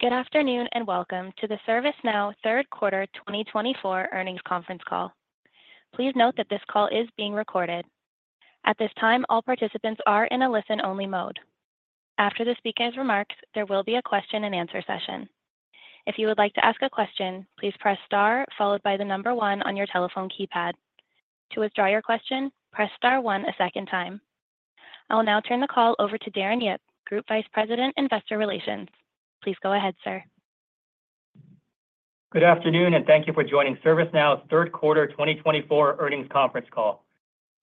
Good afternoon, and welcome to the ServiceNow Third Quarter 2024 Earnings Conference Call. Please note that this call is being recorded. At this time, all participants are in a listen-only mode. After the speaker's remarks, there will be a question and answer session. If you would like to ask a question, please press star followed by the number one on your telephone keypad. To withdraw your question, press star one a second time. I will now turn the call over to Darren Yip, Group Vice President, Investor Relations. Please go ahead, sir. Good afternoon, and thank you for joining ServiceNow's third quarter 2024 earnings conference call.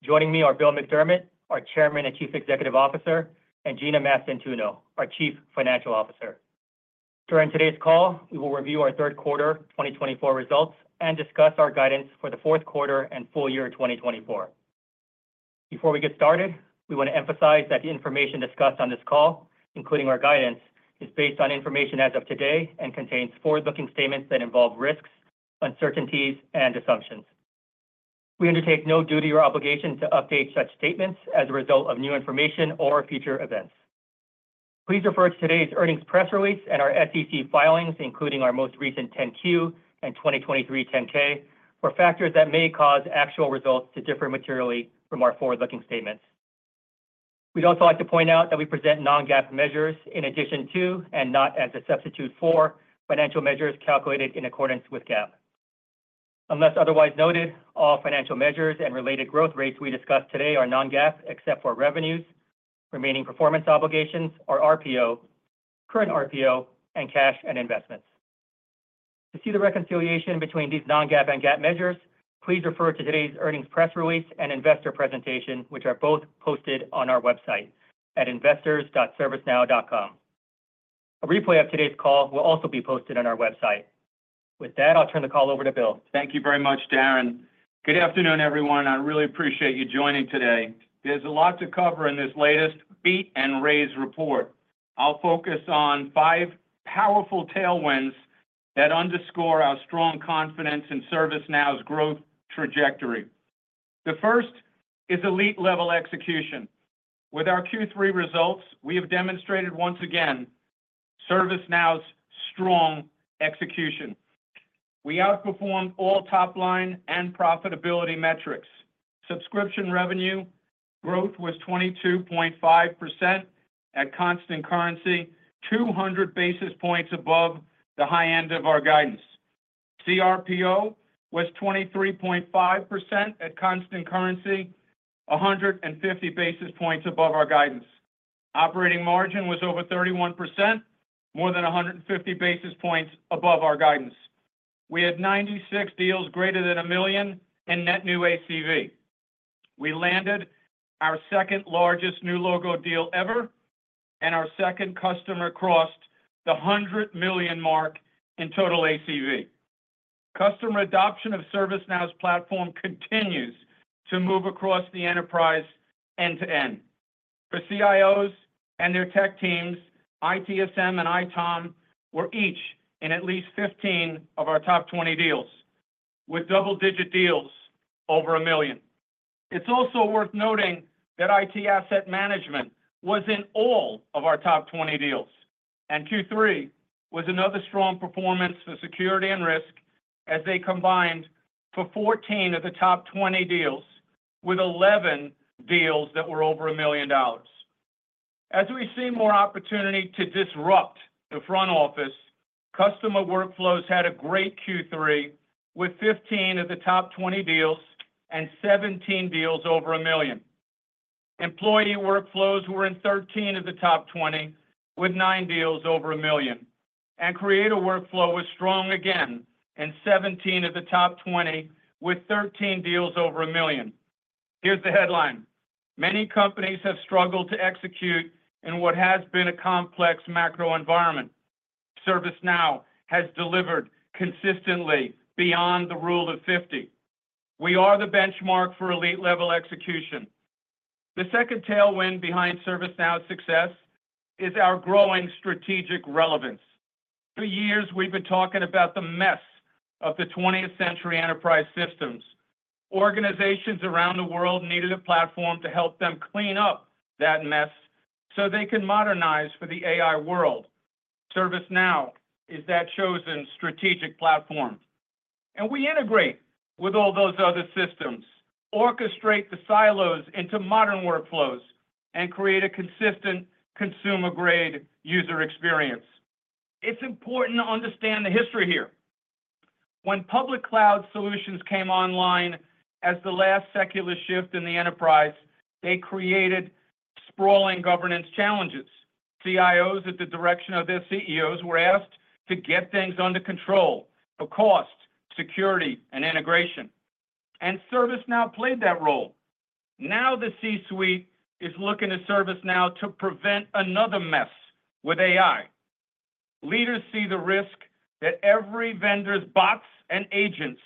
Joining me are Bill McDermott, our Chairman and Chief Executive Officer, and Gina Mastantuono, our Chief Financial Officer. During today's call, we will review our third quarter 2024 results and discuss our guidance for the fourth quarter and full year 2024. Before we get started, we want to emphasize that the information discussed on this call, including our guidance, is based on information as of today and contains forward-looking statements that involve risks, uncertainties, and assumptions. We undertake no duty or obligation to update such statements as a result of new information or future events. Please refer to today's earnings press release and our SEC filings, including our most recent 10-Q and 2023 10-K, for factors that may cause actual results to differ materially from our forward-looking statements. We'd also like to point out that we present non-GAAP measures in addition to, and not as a substitute for, financial measures calculated in accordance with GAAP. Unless otherwise noted, all financial measures and related growth rates we discuss today are non-GAAP, except for revenues, remaining performance obligations or RPO, current RPO, and cash and investments. To see the reconciliation between these non-GAAP and GAAP measures, please refer to today's earnings press release and investor presentation, which are both posted on our website at investors.servicenow.com. A replay of today's call will also be posted on our website. With that, I'll turn the call over to Bill. Thank you very much, Darren. Good afternoon, everyone. I really appreciate you joining today. There's a lot to cover in this latest beat and raise report. I'll focus on five powerful tailwinds that underscore our strong confidence in ServiceNow's growth trajectory. The first is elite level execution. With our Q3 results, we have demonstrated once again, ServiceNow's strong execution. We outperformed all top line and profitability metrics. Subscription revenue growth was 22.5% at constant currency, 200 basis points above the high end of our guidance. CRPO was 23.5% at constant currency, 150 basis points above our guidance. Operating margin was over 31%, more than 150 basis points above our guidance. We had 96 deals greater than $1 million in net new ACV. We landed our second-largest new logo deal ever, and our second customer crossed the $100 million mark in total ACV. Customer adoption of ServiceNow's platform continues to move across the enterprise end-to-end. For CIOs and their tech teams, ITSM and ITOM were each in at least 15 of our top 20 deals, with double-digit deals over $1 million. It's also worth noting that IT asset management was in all of our top 20 deals, and Q3 was another strong performance for security and risk, as they combined for 14 of the top 20 deals, with 11 deals that were over $1 million. As we see more opportunity to disrupt the front office, customer workflows had a great Q3, with 15 of the top 20 deals and 17 deals over $1 million. Employee workflows were in 13 of the top 20, with nine deals over $1 million. And Creator Workflows was strong again in 17 of the top 20, with 13 deals over $1 million. Here's the headline. Many companies have struggled to execute in what has been a complex macro environment. ServiceNow has delivered consistently beyond The Rule of 50. We are the benchmark for elite level execution. The second tailwind behind ServiceNow's success is our growing strategic relevance. For years, we've been talking about the mess of the 20th century enterprise systems. Organizations around the world needed a platform to help them clean up that mess so they can modernize for the AI world. ServiceNow is that chosen strategic platform, and we integrate with all those other systems, orchestrate the silos into modern workflows, and create a consistent consumer-grade user experience. It's important to understand the history here. When public cloud solutions came online as the last secular shift in the enterprise, they created sprawling governance challenges. CIOs, at the direction of their CEOs, were asked to get things under control for cost, security, and integration, and ServiceNow played that role. Now, the C-suite is looking to ServiceNow to prevent another mess with AI. Leaders see the risk that every vendor's bots and agents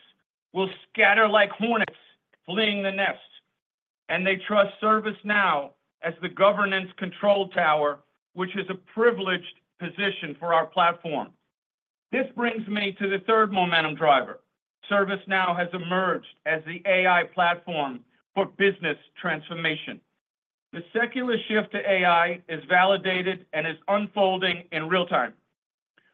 will scatter like hornets fleeing the nest, and they trust ServiceNow as the governance control tower, which is a privileged position for our platform. This brings me to the third momentum driver. ServiceNow has emerged as the AI platform for business transformation. The secular shift to AI is validated and is unfolding in real time.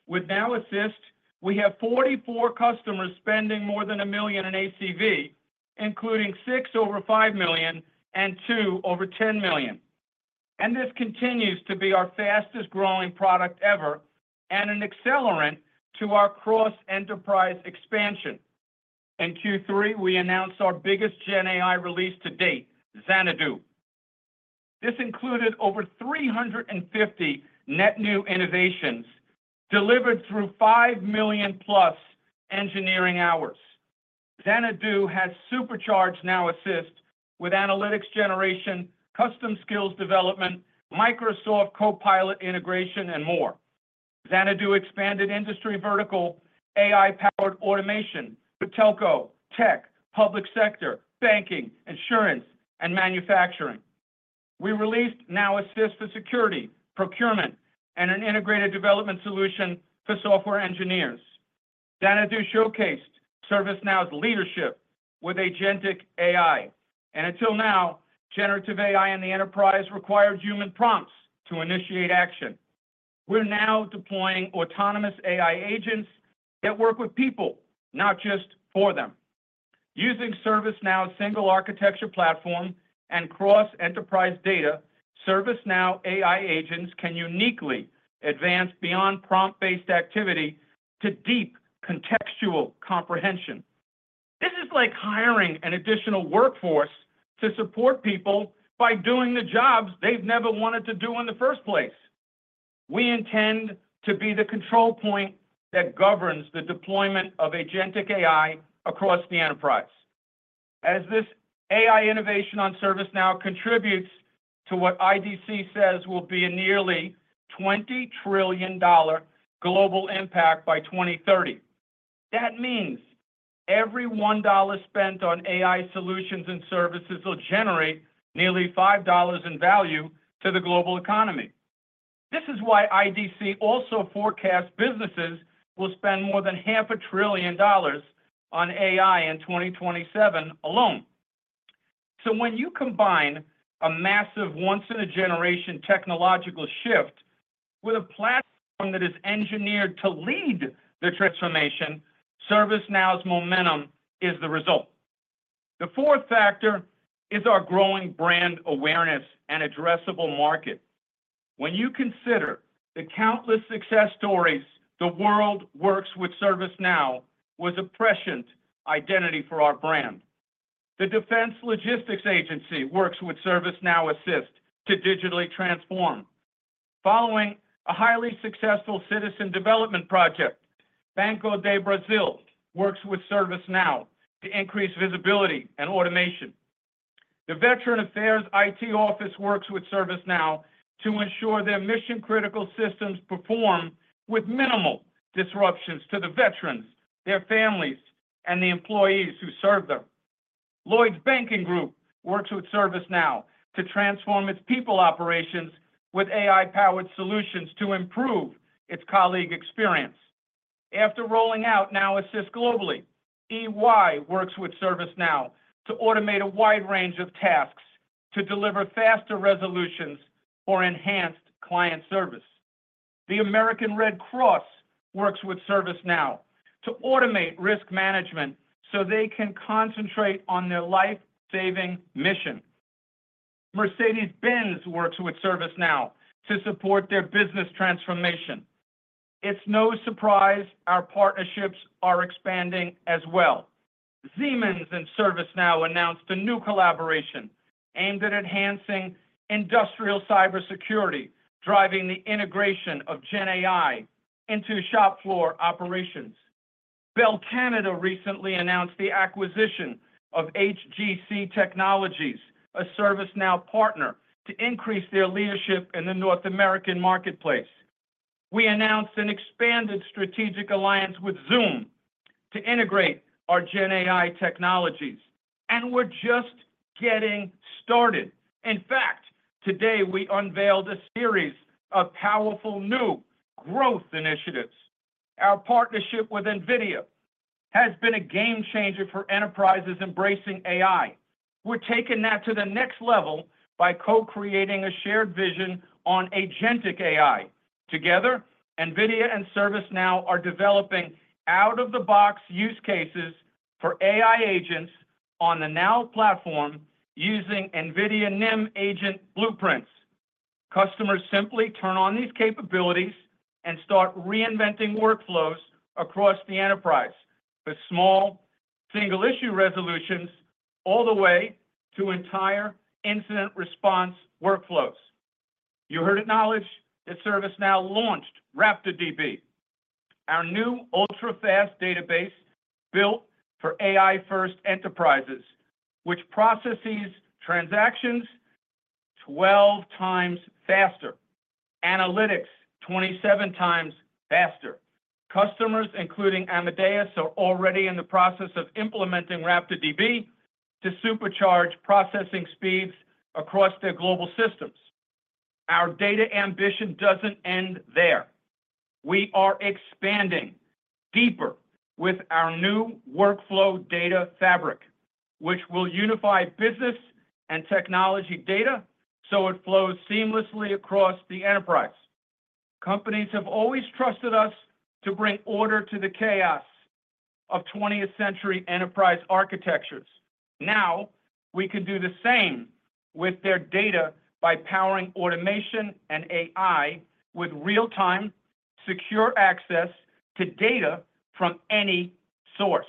With Now Assist, we have 44 customers spending more than $1 million in ACV, including six over $5 million and two over $10 million. And this continues to be our fastest-growing product ever and an accelerant to our cross-enterprise expansion. In Q3, we announced our biggest GenAI release to date, Xanadu. This included over 350 net new innovations delivered through 5 million+ engineering hours. Xanadu has supercharged Now Assist with analytics generation, custom skills development, Microsoft Copilot integration, and more. Xanadu expanded industry vertical, AI-powered automation for telco, tech, public sector, banking, insurance, and manufacturing. We released Now Assist for security, procurement, and an integrated development solution for software engineers. Xanadu showcased ServiceNow's leadership with agentic AI, and until now, generative AI in the enterprise required human prompts to initiate action. We're now deploying autonomous AI agents that work with people, not just for them. Using ServiceNow's single architecture platform and cross-enterprise data, ServiceNow AI agents can uniquely advance beyond prompt-based activity to deep contextual comprehension. This is like hiring an additional workforce to support people by doing the jobs they've never wanted to do in the first place. We intend to be the control point that governs the deployment of agentic AI across the enterprise. As this AI innovation on ServiceNow contributes to what IDC says will be a nearly $20 trillion global impact by 2030. That means every $1 spent on AI solutions and services will generate nearly $5 in value to the global economy. This is why IDC also forecasts businesses will spend more than $500 billion on AI in 2027 alone. So when you combine a massive, once-in-a-generation technological shift with a platform that is engineered to lead the transformation, ServiceNow's momentum is the result. The fourth factor is our growing brand awareness and addressable market. When you consider the countless success stories, the world works with ServiceNow with a prescient identity for our brand. The Defense Logistics Agency works with Now Assist to digitally transform. Following a highly successful citizen development project, Banco do Brasil works with ServiceNow to increase visibility and automation. The Veterans Affairs IT office works with ServiceNow to ensure their mission-critical systems perform with minimal disruptions to the veterans, their families, and the employees who serve them. Lloyds Banking Group works with ServiceNow to transform its people operations with AI-powered solutions to improve its colleague experience. After rolling out Now Assist globally, EY works with ServiceNow to automate a wide range of tasks to deliver faster resolutions for enhanced client service. The American Red Cross works with ServiceNow to automate risk management so they can concentrate on their life-saving mission. Mercedes-Benz works with ServiceNow to support their business transformation. It's no surprise our partnerships are expanding as well. Siemens and ServiceNow announced a new collaboration aimed at enhancing industrial cybersecurity, driving the integration of Gen AI into shop floor operations. Bell Canada recently announced the acquisition of HGC Technologies, a ServiceNow partner, to increase their leadership in the North American marketplace. We announced an expanded strategic alliance with Zoom to integrate our Gen AI technologies, and we're just getting started. In fact, today we unveiled a series of powerful new growth initiatives. Our partnership with NVIDIA has been a game changer for enterprises embracing AI. We're taking that to the next level by co-creating a shared vision on agentic AI. Together, NVIDIA and ServiceNow are developing out-of-the-box use cases for AI agents on the Now Platform using NVIDIA NIM Agent Blueprints. Customers simply turn on these capabilities and start reinventing workflows across the enterprise, with small, single-issue resolutions all the way to entire incident response workflows. You heard at Knowledge that ServiceNow launched RaptorDB, our new ultra-fast database built for AI-first enterprises, which processes transactions 12x faster, analytics 27x faster. Customers, including Amadeus, are already in the process of implementing RaptorDB to supercharge processing speeds across their global systems. Our data ambition doesn't end there. We are expanding deeper with our new Workflow Data Fabric, which will unify business and technology data, so it flows seamlessly across the enterprise. Companies have always trusted us to bring order to the chaos of 20th century enterprise architectures. Now, we can do the same with their data by powering automation and AI with real-time, secure access to data from any source.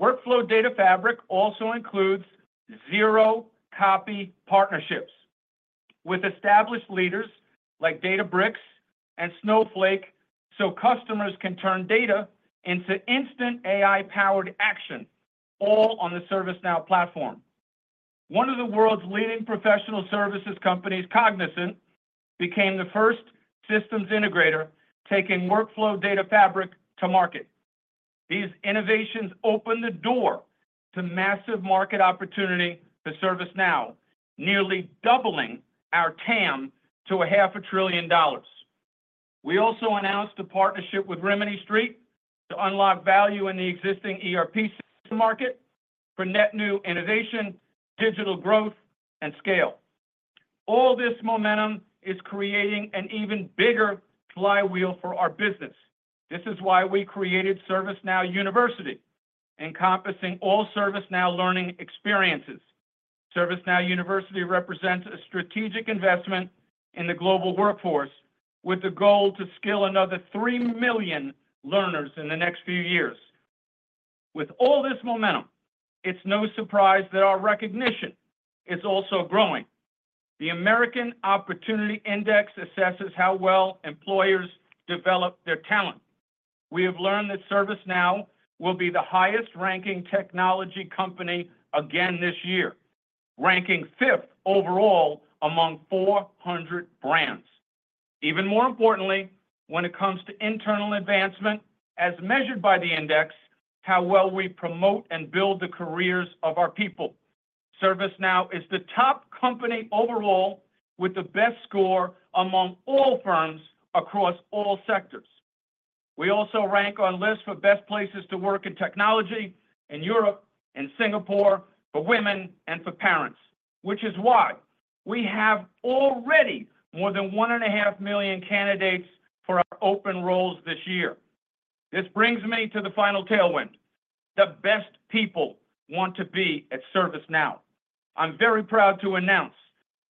Workflow Data Fabric also includes zero-copy partnerships with established leaders like Databricks and Snowflake, so customers can turn data into instant AI-powered action, all on the ServiceNow platform. One of the world's leading professional services companies, Cognizant, became the first systems integrator, taking Workflow Data Fabric to market. These innovations open the door to massive market opportunity for ServiceNow, nearly doubling our TAM to $500 billion. We also announced a partnership withRimini Street to unlock value in the existing ERP system market for net new innovation, digital growth, and scale. All this momentum is creating an even bigger flywheel for our business. This is why we created ServiceNow University, encompassing all ServiceNow learning experiences. ServiceNow University represents a strategic investment in the global workforce, with the goal to skill another three million learners in the next few years. With all this momentum, it's no surprise that our recognition is also growing. The American Opportunity Index assesses how well employers develop their talent. We have learned that ServiceNow will be the highest-ranking technology company again this year, ranking fifth overall among 400 brands. Even more importantly, when it comes to internal advancement, as measured by the index, how well we promote and build the careers of our people, ServiceNow is the top company overall with the best score among all firms across all sectors. We also rank on lists for best places to work in technology in Europe and Singapore, for women and for parents, which is why we have already more than 1.5 million candidates for our open roles this year. This brings me to the final tailwind. The best people want to be at ServiceNow. I'm very proud to announce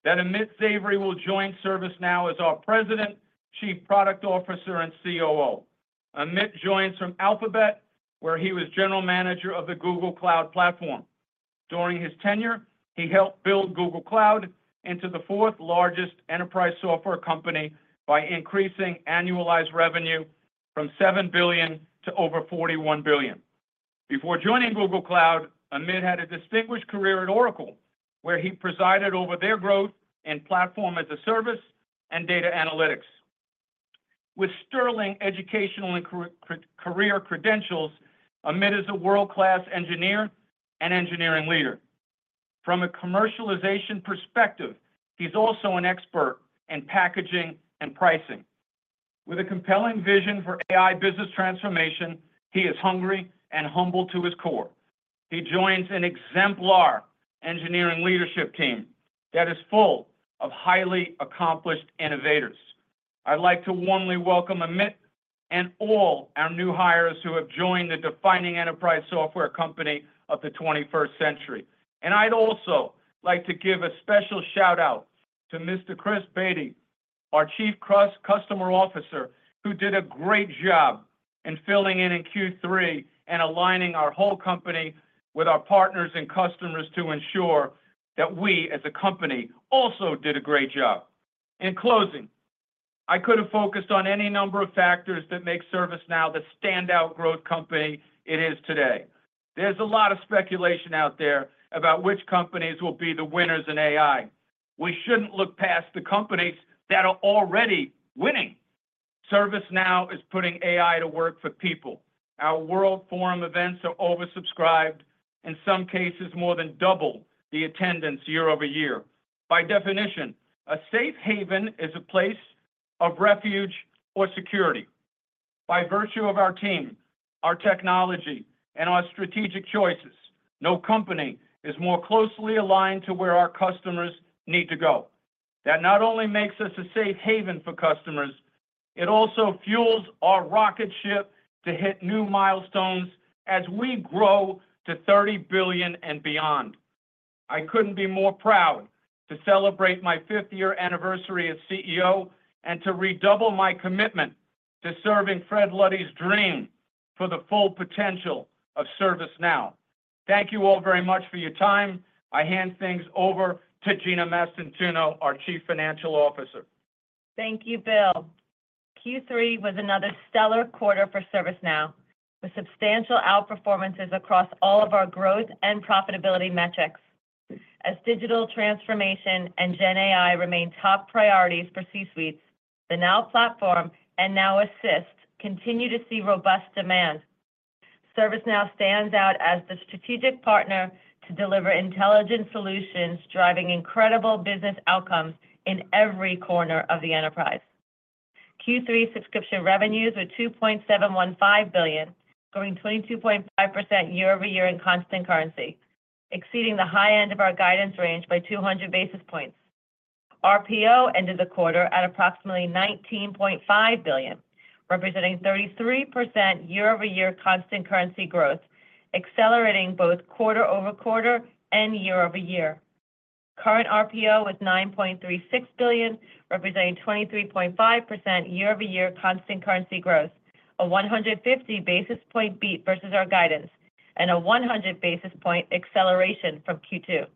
that Amit Zavery will join ServiceNow as our President, Chief Product Officer, and COO. Amit joins from Alphabet, where he was General Manager of the Google Cloud Platform. During his tenure, he helped build Google Cloud into the fourth largest enterprise software company by increasing annualized revenue from $7 billion to over $41 billion. Before joining Google Cloud, Amit had a distinguished career at Oracle, where he presided over their growth in platform as a service and data analytics. With sterling educational and career credentials, Amit is a world-class engineer and engineering leader. From a commercialization perspective, he's also an expert in packaging and pricing. With a compelling vision for AI business transformation, he is hungry and humble to his core. He joins an exemplar engineering leadership team that is full of highly accomplished innovators. I'd like to warmly welcome Amit and all our new hires who have joined the defining enterprise software company of the 21st century. And I'd also like to give a special shout-out to Mr. Chris Bedi, our Chief Customer Officer, who did a great job in filling in in Q3 and aligning our whole company with our partners and customers to ensure that we, as a company, also did a great job. In closing, I could have focused on any number of factors that make ServiceNow the standout growth company it is today. There's a lot of speculation out there about which companies will be the winners in AI. We shouldn't look past the companies that are already winning. ServiceNow is putting AI to work for people. Our world forum events are oversubscribed, in some cases, more than double the attendance year-over-year. By definition, a safe haven is a place of refuge or security. By virtue of our team, our technology, and our strategic choices, no company is more closely aligned to where our customers need to go. That not only makes us a safe haven for customers, it also fuels our rocket ship to hit new milestones as we grow to $30 billion and beyond. I couldn't be more proud to celebrate my fifth-year anniversary as CEO and to redouble my commitment to serving Fred Luddy's dream for the full potential of ServiceNow. Thank you all very much for your time. I hand things over to Gina Mastantuono, our Chief Financial Officer. Thank you, Bill. Q3 was another stellar quarter for ServiceNow, with substantial outperformance across all of our growth and profitability metrics. As digital transformation and GenAI remain top priorities for C-suites, the Now Platform and Now Assist continue to see robust demand. ServiceNow stands out as the strategic partner to deliver intelligent solutions, driving incredible business outcomes in every corner of the enterprise. Q3 subscription revenues were $2.715 billion, growing 22.5% year-over-year in constant currency, exceeding the high end of our guidance range by 200 basis points. RPO ended the quarter at approximately $19.5 billion, representing 33% year-over-year constant currency growth, accelerating both quarter over quarter and year-over-year. Current RPO was $9.36 billion, representing 23.5% year-over-year constant currency growth, a 150 basis point beat versus our guidance, and a 100 basis point acceleration from Q2.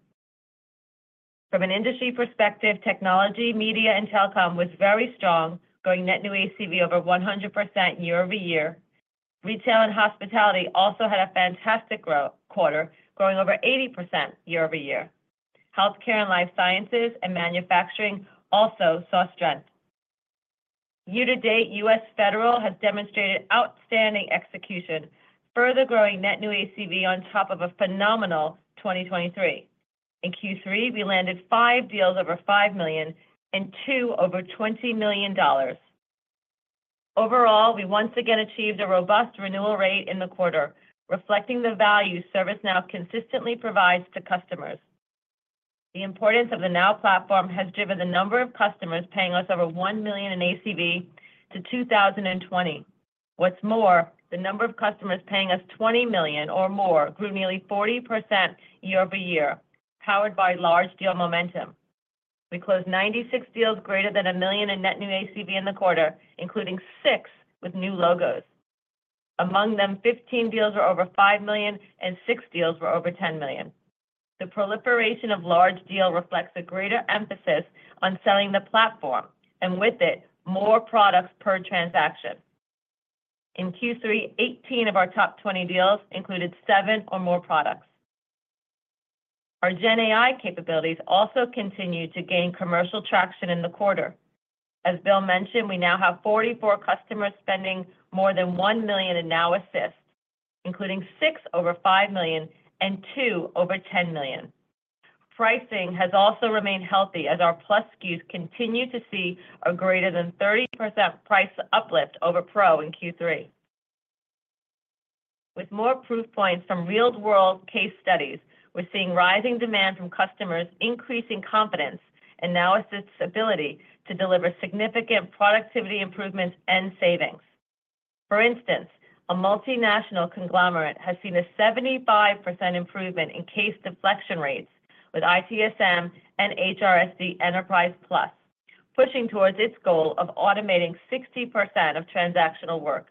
From an industry perspective, technology, media, and telecom was very strong, growing net new ACV over 100% year-over-year. Retail and hospitality also had a fantastic quarter, growing over 80% year-over-year. Healthcare and life sciences and manufacturing also saw strength. Year to date, U.S. Federal has demonstrated outstanding execution, further growing net new ACV on top of a phenomenal 2023. In Q3, we landed five deals over $5 million and two over $20 million. Overall, we once again achieved a robust renewal rate in the quarter, reflecting the value ServiceNow consistently provides to customers. The importance of the Now Platform has driven the number of customers paying us over $1 million in ACV to 2020. What's more, the number of customers paying us $20 million or more grew nearly 40% year-over-year, powered by large deal momentum. We closed 96 deals greater than $1 million in net new ACV in the quarter, including six with new logos. Among them, 15 deals were over $5 million, and six deals were over $10 million. The proliferation of large deals reflects a greater emphasis on selling the platform, and with it, more products per transaction. In Q3, 18 of our top 20 deals included seven or more products. Our GenAI capabilities also continued to gain commercial traction in the quarter. As Bill mentioned, we now have 44 customers spending more than $1 million in Now Assist, including six over $5 million and two over $10 million. Pricing has also remained healthy as our plus SKUs continue to see a greater than 30% price uplift over Pro in Q3. With more proof points from real-world case studies, we're seeing rising demand from customers increasing confidence in Now Assist's ability to deliver significant productivity improvements and savings. For instance, a multinational conglomerate has seen a 75% improvement in case deflection rates with ITSM and HRSD Enterprise Plus, pushing towards its goal of automating 60% of transactional work.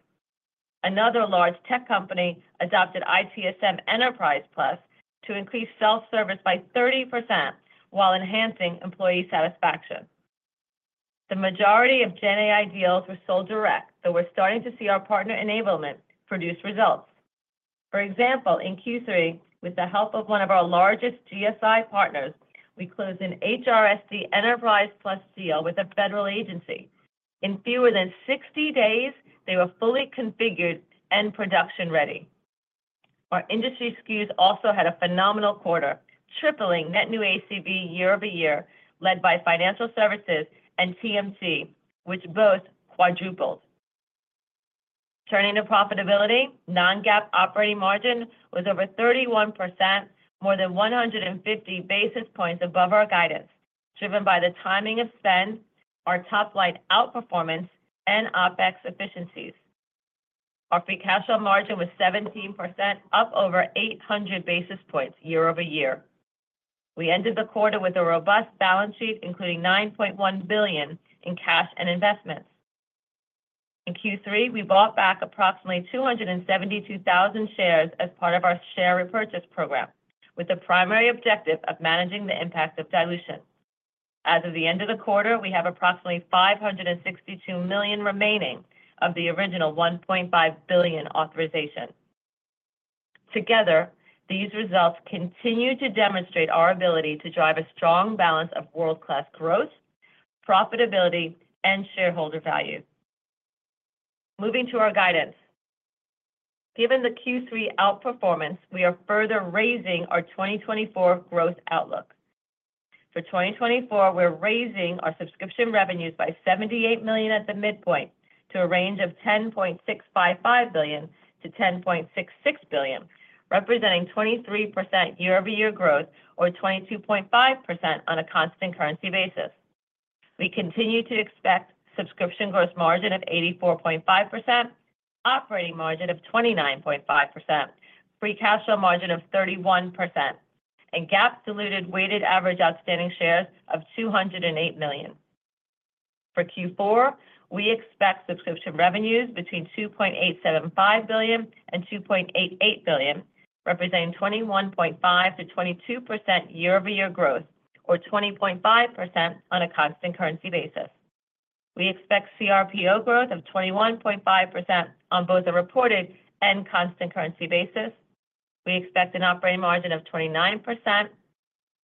Another large tech company adopted ITSM Enterprise Plus to increase self-service by 30% while enhancing employee satisfaction. The majority of GenAI deals were sold direct, so we're starting to see our partner enablement produce results. For example, in Q3, with the help of one of our largest GSI partners, we closed an HRSD Enterprise Plus deal with a federal agency. In fewer than sixty days, they were fully configured and production ready. Our industry SKUs also had a phenomenal quarter, tripling net new ACV year-over-year, led by financial services and TMC, which both quadrupled. Turning to profitability, Non-GAAP operating margin was over 31%, more than 150 basis points above our guidance, driven by the timing of spend, our top-line outperformance, and OpEx efficiencies. Our free cash flow margin was 17%, up over 800 basis points year-over-year. We ended the quarter with a robust balance sheet, including $9.1 billion in cash and investments. In Q3, we bought back approximately 272,000 shares as part of our share repurchase program, with the primary objective of managing the impact of dilution. As of the end of the quarter, we have approximately $562 million remaining of the original $1.5 billion authorization. Together, these results continue to demonstrate our ability to drive a strong balance of world-class growth, profitability, and shareholder value. Moving to our guidance. Given the Q3 outperformance, we are further raising our 2024 growth outlook. For 2024, we're raising our subscription revenues by $78 million at the midpoint to a range of $10.655 billion-$10.66 billion, representing 23% year-over-year growth or 22.5% on a constant currency basis. We continue to expect subscription gross margin of 84.5%, operating margin of 29.5%, free cash flow margin of 31%, and GAAP diluted weighted average outstanding shares of 208 million. For Q4, we expect subscription revenues between $2.875 billion and $2.88 billion, representing 21.5% to 22% year-over-year growth or 20.5% on a constant currency basis. We expect CRPO growth of 21.5% on both a reported and constant currency basis. We expect an operating margin of 29%.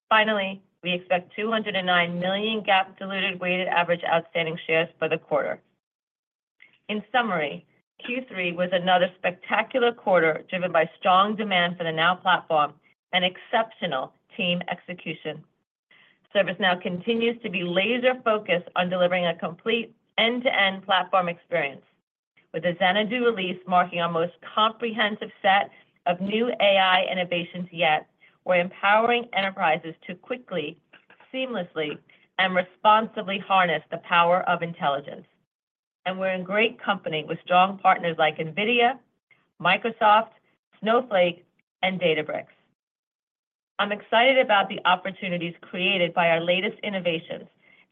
Finally, we expect 209 million GAAP diluted weighted average outstanding shares for the quarter. In summary, Q3 was another spectacular quarter, driven by strong demand for the Now platform and exceptional team execution. ServiceNow continues to be laser-focused on delivering a complete end-to-end platform experience. With the Xanadu release marking our most comprehensive set of new AI innovations yet, we're empowering enterprises to quickly, seamlessly, and responsibly harness the power of intelligence. And we're in great company with strong partners like NVIDIA, Microsoft, Snowflake, and Databricks. I'm excited about the opportunities created by our latest innovations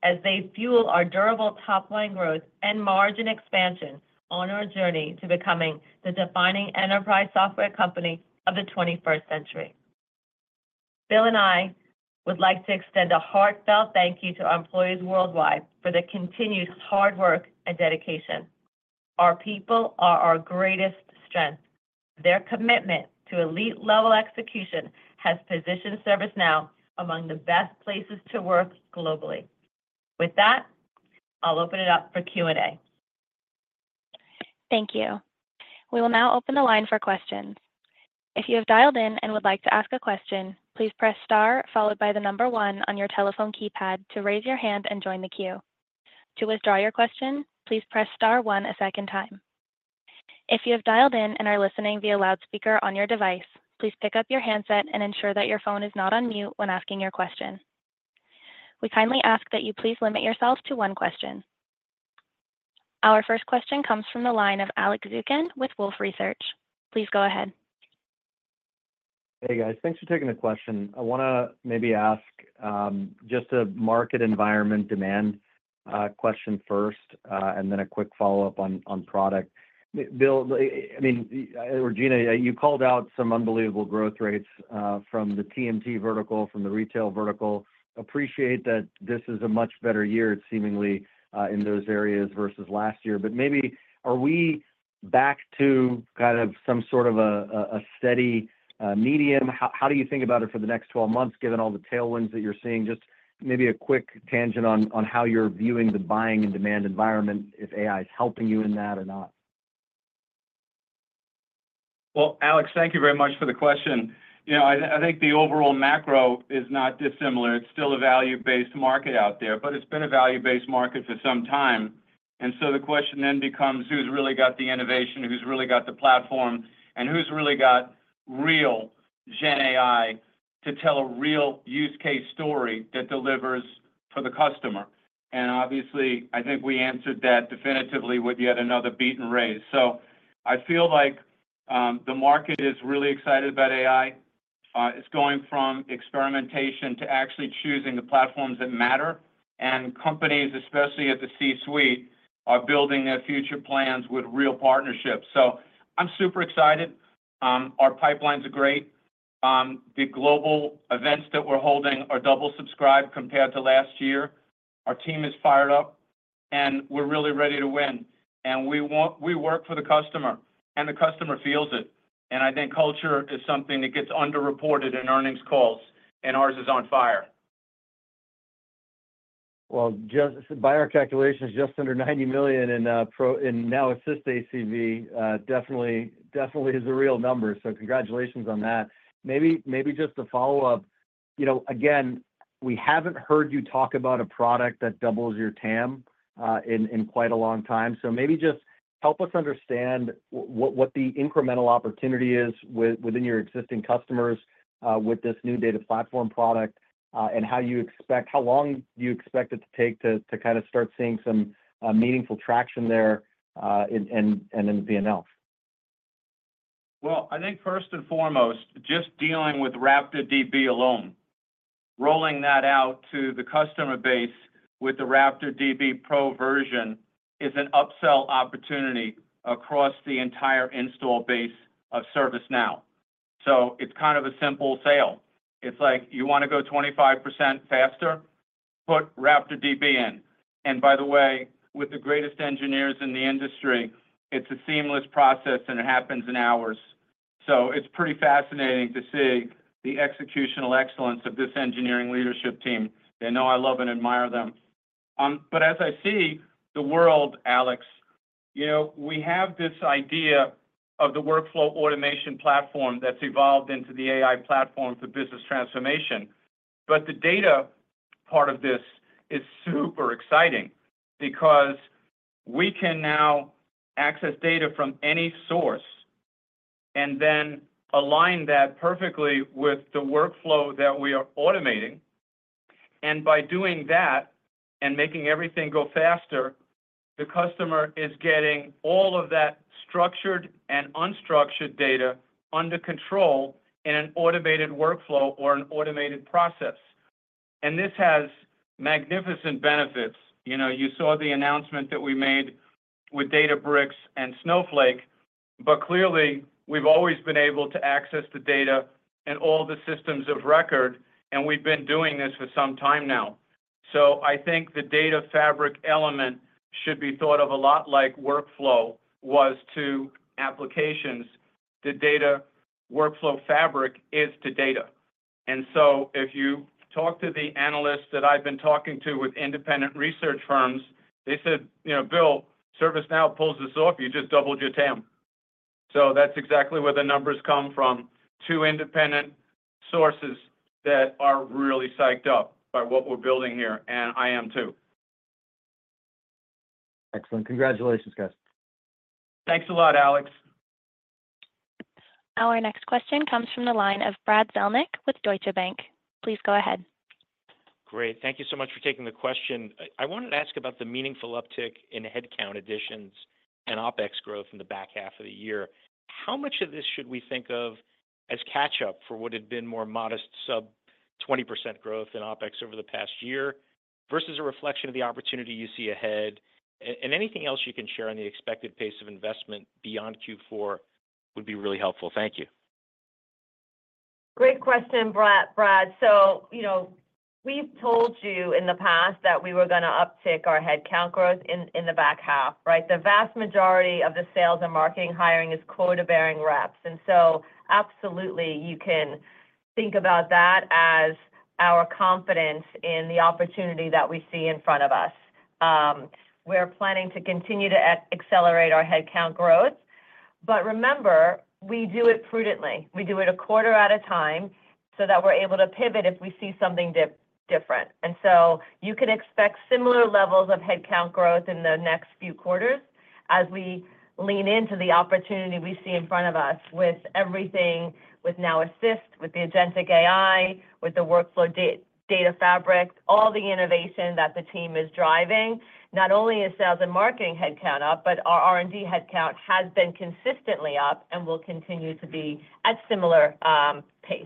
as they fuel our durable top-line growth and margin expansion on our journey to becoming the defining enterprise software company of the 21st century. Bill and I would like to extend a heartfelt thank you to our employees worldwide for their continued hard work and dedication. Our people are our greatest strength. Their commitment to elite-level execution has positioned ServiceNow among the best places to work globally. With that, I'll open it up for Q&A. Thank you. We will now open the line for questions. If you have dialed in and would like to ask a question, please press star followed by the number one on your telephone keypad to raise your hand and join the queue. To withdraw your question, please press star one a second time. If you have dialed in and are listening via loudspeaker on your device, please pick up your handset and ensure that your phone is not on mute when asking your question. We kindly ask that you please limit yourself to one question. Our first question comes from the line of Alex Zukin with Wolfe Research. Please go ahead. Hey, guys. Thanks for taking the question. I wanna maybe ask just a market environment demand question first, and then a quick follow-up on product. Bill, I mean, or Gina, you called out some unbelievable growth rates from the TMT vertical, from the retail vertical. Appreciate that this is a much better year, seemingly, in those areas versus last year. But maybe are we back to kind of some sort of a steady medium? How do you think about it for the next twelve months, given all the tailwinds that you're seeing? Just maybe a quick tangent on how you're viewing the buying and demand environment, if AI is helping you in that or not. Alex, thank you very much for the question. You know, I think the overall macro is not dissimilar. It's still a value-based market out there, but it's been a value-based market for some time. And so the question then becomes: Who's really got the innovation? Who's really got the platform? And who's really got real GenAI to tell a real use case story that delivers for the customer? And obviously, I think we answered that definitively with yet another beat and raise. I feel like the market is really excited about AI. It's going from experimentation to actually choosing the platforms that matter, and companies, especially at the C-suite, are building their future plans with real partnerships. I'm super excited. Our pipelines are great. The global events that we're holding are double-subscribed compared to last year. Our team is fired up, and we're really ready to win. We work for the customer, and the customer feels it. I think culture is something that gets underreported in earnings calls, and ours is on fire. Well, just by our calculations, just under $90 million in Now Assist ACV, definitely is a real number. So congratulations on that. Maybe just a follow-up. You know, again, we haven't heard you talk about a product that doubles your TAM in quite a long time. So maybe just help us understand what the incremental opportunity is within your existing customers with this new data platform product, and how long do you expect it to take to kinda start seeing some meaningful traction there, in the PNL? I think first and foremost, just dealing with RaptorDB alone, rolling that out to the customer base with the RaptorDB Pro version is an upsell opportunity across the entire install base of ServiceNow. So it's kind of a simple sale. It's like, you wanna go 25% faster? Put RaptorDB in. And by the way, with the greatest engineers in the industry, it's a seamless process, and it happens in hours. So it's pretty fascinating to see the executional excellence of this engineering leadership team. They know I love and admire them. But as I see the world, Alex, you know, we have this idea of the workflow automation platform that's evolved into the AI platform for business transformation. The data part of this is super exciting because we can now access data from any source and then align that perfectly with the workflow that we are automating. And by doing that and making everything go faster, the customer is getting all of that structured and unstructured data under control in an automated workflow or an automated process. And this has magnificent benefits. You know, you saw the announcement that we made with Databricks and Snowflake, but clearly, we've always been able to access the data and all the systems of record, and we've been doing this for some time now. I think the data fabric element should be thought of a lot like workflow was to applications, the data workflow fabric is to data. And so if you talk to the analysts that I've been talking to with independent research firms, they said, "You know, Bill, ServiceNow pulls this off, you just doubled your TAM." So that's exactly where the numbers come from, two independent sources that are really psyched up by what we're building here, and I am too. Excellent. Congratulations, guys. Thanks a lot, Alex. Our next question comes from the line of Brad Zelnick with Deutsche Bank. Please go ahead. Great. Thank you so much for taking the question. I wanted to ask about the meaningful uptick in headcount additions and OpEx growth in the back half of the year. How much of this should we think of as catch-up for what had been more modest, sub-20% growth in OpEx over the past year, versus a reflection of the opportunity you see ahead? And anything else you can share on the expected pace of investment beyond Q4 would be really helpful. Thank you. Great question, Brad. So, you know, we've told you in the past that we were gonna uptick our headcount growth in the back half, right? The vast majority of the sales and marketing hiring is quota-bearing reps, and so absolutely, you can think about that as our confidence in the opportunity that we see in front of us. We're planning to continue to accelerate our headcount growth, but remember, we do it prudently. We do it a quarter at a time, so that we're able to pivot if we see something different. And so you can expect similar levels of headcount growth in the next few quarters as we lean into the opportunity we see in front of us with everything, with Now Assist, with the Agentic AI, with the Workflow Data Fabric, all the innovation that the team is driving. Not only is sales and marketing headcount up, but our R&D headcount has been consistently up and will continue to be at similar pace.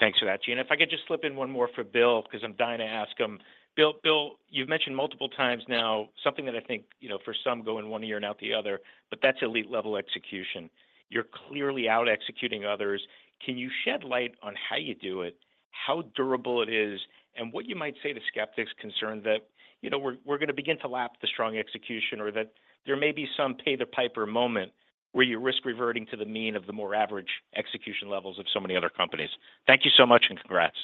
Thanks for that, Gina. If I could just slip in one more for Bill, 'cause I'm dying to ask him. Bill, Bill, you've mentioned multiple times now, something that I think, you know, for some go in one ear and out the other, but that's elite-level execution. You're clearly out-executing others. Can you shed light on how you do it, how durable it is, and what you might say to skeptics concerned that, you know, we're, we're gonna begin to lap the strong execution or that there may be some pay-the-piper moment where you risk reverting to the mean of the more average execution levels of so many other companies? Thank you so much, and congrats.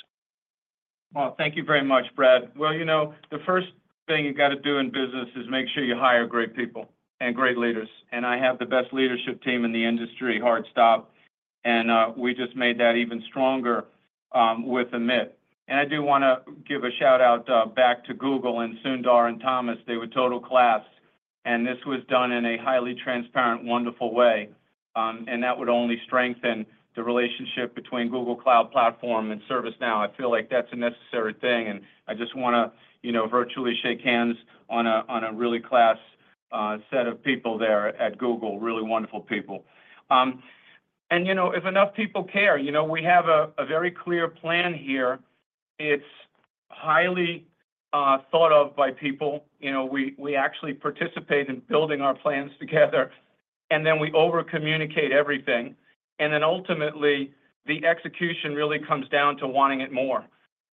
Thank you very much, Brad. You know, the first thing you've got to do in business is make sure you hire great people and great leaders, and I have the best leadership team in the industry, hard stop, and we just made that even stronger with Amit. And I do wanna give a shout-out back to Google and Sundar and Thomas. They were total class, and this was done in a highly transparent, wonderful way. And that would only strengthen the relationship between Google Cloud Platform and ServiceNow. I feel like that's a necessary thing, and I just wanna, you know, virtually shake hands on a really class set of people there at Google, really wonderful people. And, you know, if enough people care, you know, we have a very clear plan here. It's highly thought of by people. You know, we actually participate in building our plans together, and then we over-communicate everything, and then ultimately, the execution really comes down to wanting it more,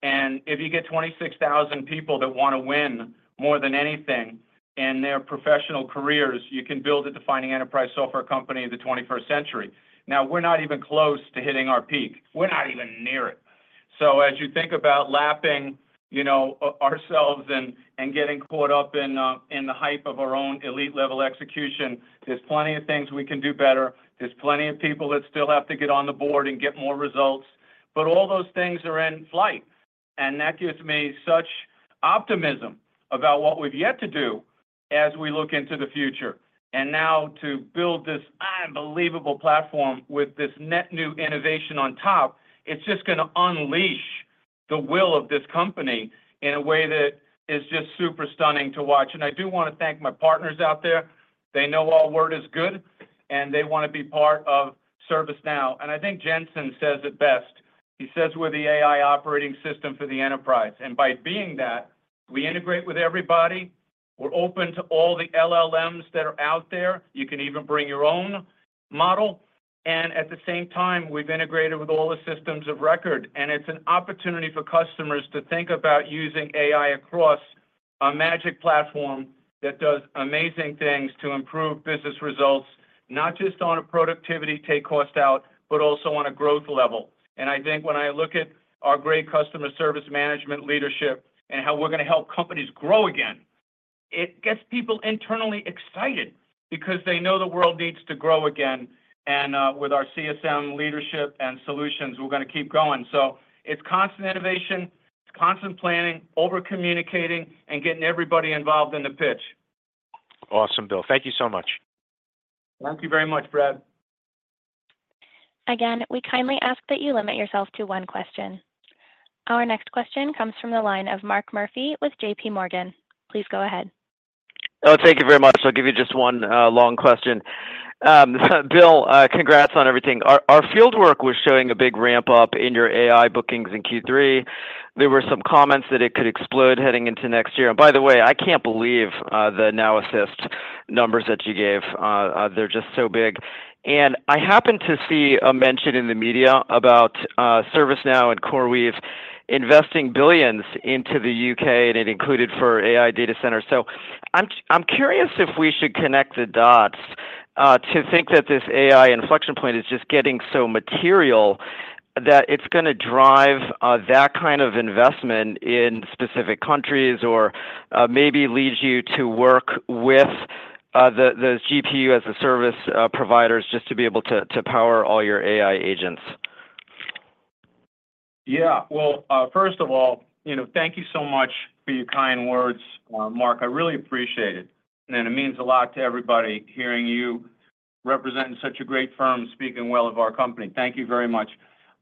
and if you get 26,000 people that wanna win more than anything in their professional careers, you can build a defining enterprise software company in the 21st century. Now, we're not even close to hitting our peak. We're not even near it, so as you think about lapping, you know, ourselves and getting caught up in the hype of our own elite-level execution, there's plenty of things we can do better. There's plenty of people that still have to get on the board and get more results, but all those things are in flight, and that gives me such optimism about what we've yet to do as we look into the future. Now, to build this unbelievable platform with this net new innovation on top, it's just gonna unleash the will of this company in a way that is just super stunning to watch. I do want to thank my partners out there. They know our word is good, and they want to be part of ServiceNow. I think Jensen says it best. He says we're the AI operating system for the enterprise, and by being that, we integrate with everybody. We're open to all the LLMs that are out there. You can even bring your own model, and at the same time, we've integrated with all the systems of record. And it's an opportunity for customers to think about using AI across a magic platform that does amazing things to improve business results, not just on a productivity take cost out, but also on a growth level. And I think when I look at our great customer service management leadership and how we're gonna help companies grow again, it gets people internally excited because they know the world needs to grow again, and, with our CSM leadership and solutions, we're gonna keep going. So it's constant innovation, constant planning, over-communicating, and getting everybody involved in the pitch. Awesome, Bill. Thank you so much. Thank you very much, Brad. Again, we kindly ask that you limit yourself to one question. Our next question comes from the line of Mark Murphy with JP Morgan. Please go ahead. Oh, thank you very much. I'll give you just one long question. Bill, congrats on everything. Our fieldwork was showing a big ramp-up in your AI bookings in Q3. There were some comments that it could explode heading into next year. And by the way, I can't believe the Now Assist- Numbers that you gave, they're just so big. And I happened to see a mention in the media about ServiceNow and CoreWeave investing billions into the U.K., and it included for AI data centers. So I'm curious if we should connect the dots to think that this AI inflection point is just getting so material that it's gonna drive that kind of investment in specific countries, or maybe leads you to work with the GPU as a service providers just to be able to power all your AI agents. Yeah. Well, first of all, you know, thank you so much for your kind words, Mark. I really appreciate it, and it means a lot to everybody hearing you representing such a great firm and speaking well of our company. Thank you very much.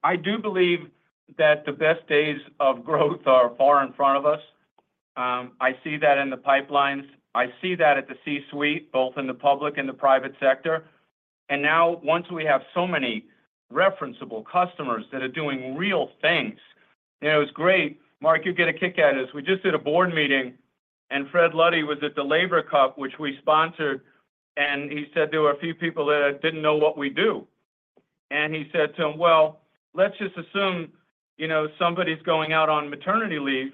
I do believe that the best days of growth are far in front of us. I see that in the pipelines. I see that at the C-suite, both in the public and the private sector. And now, once we have so many referenceable customers that are doing real things, and it was great. Mark, you'll get a kick out of this. We just did a board meeting, and Fred Luddy was at the Laver Cup, which we sponsored, and he said there were a few people that didn't know what we do. And he said to them, "Well, let's just assume, you know, somebody's going out on maternity leave,"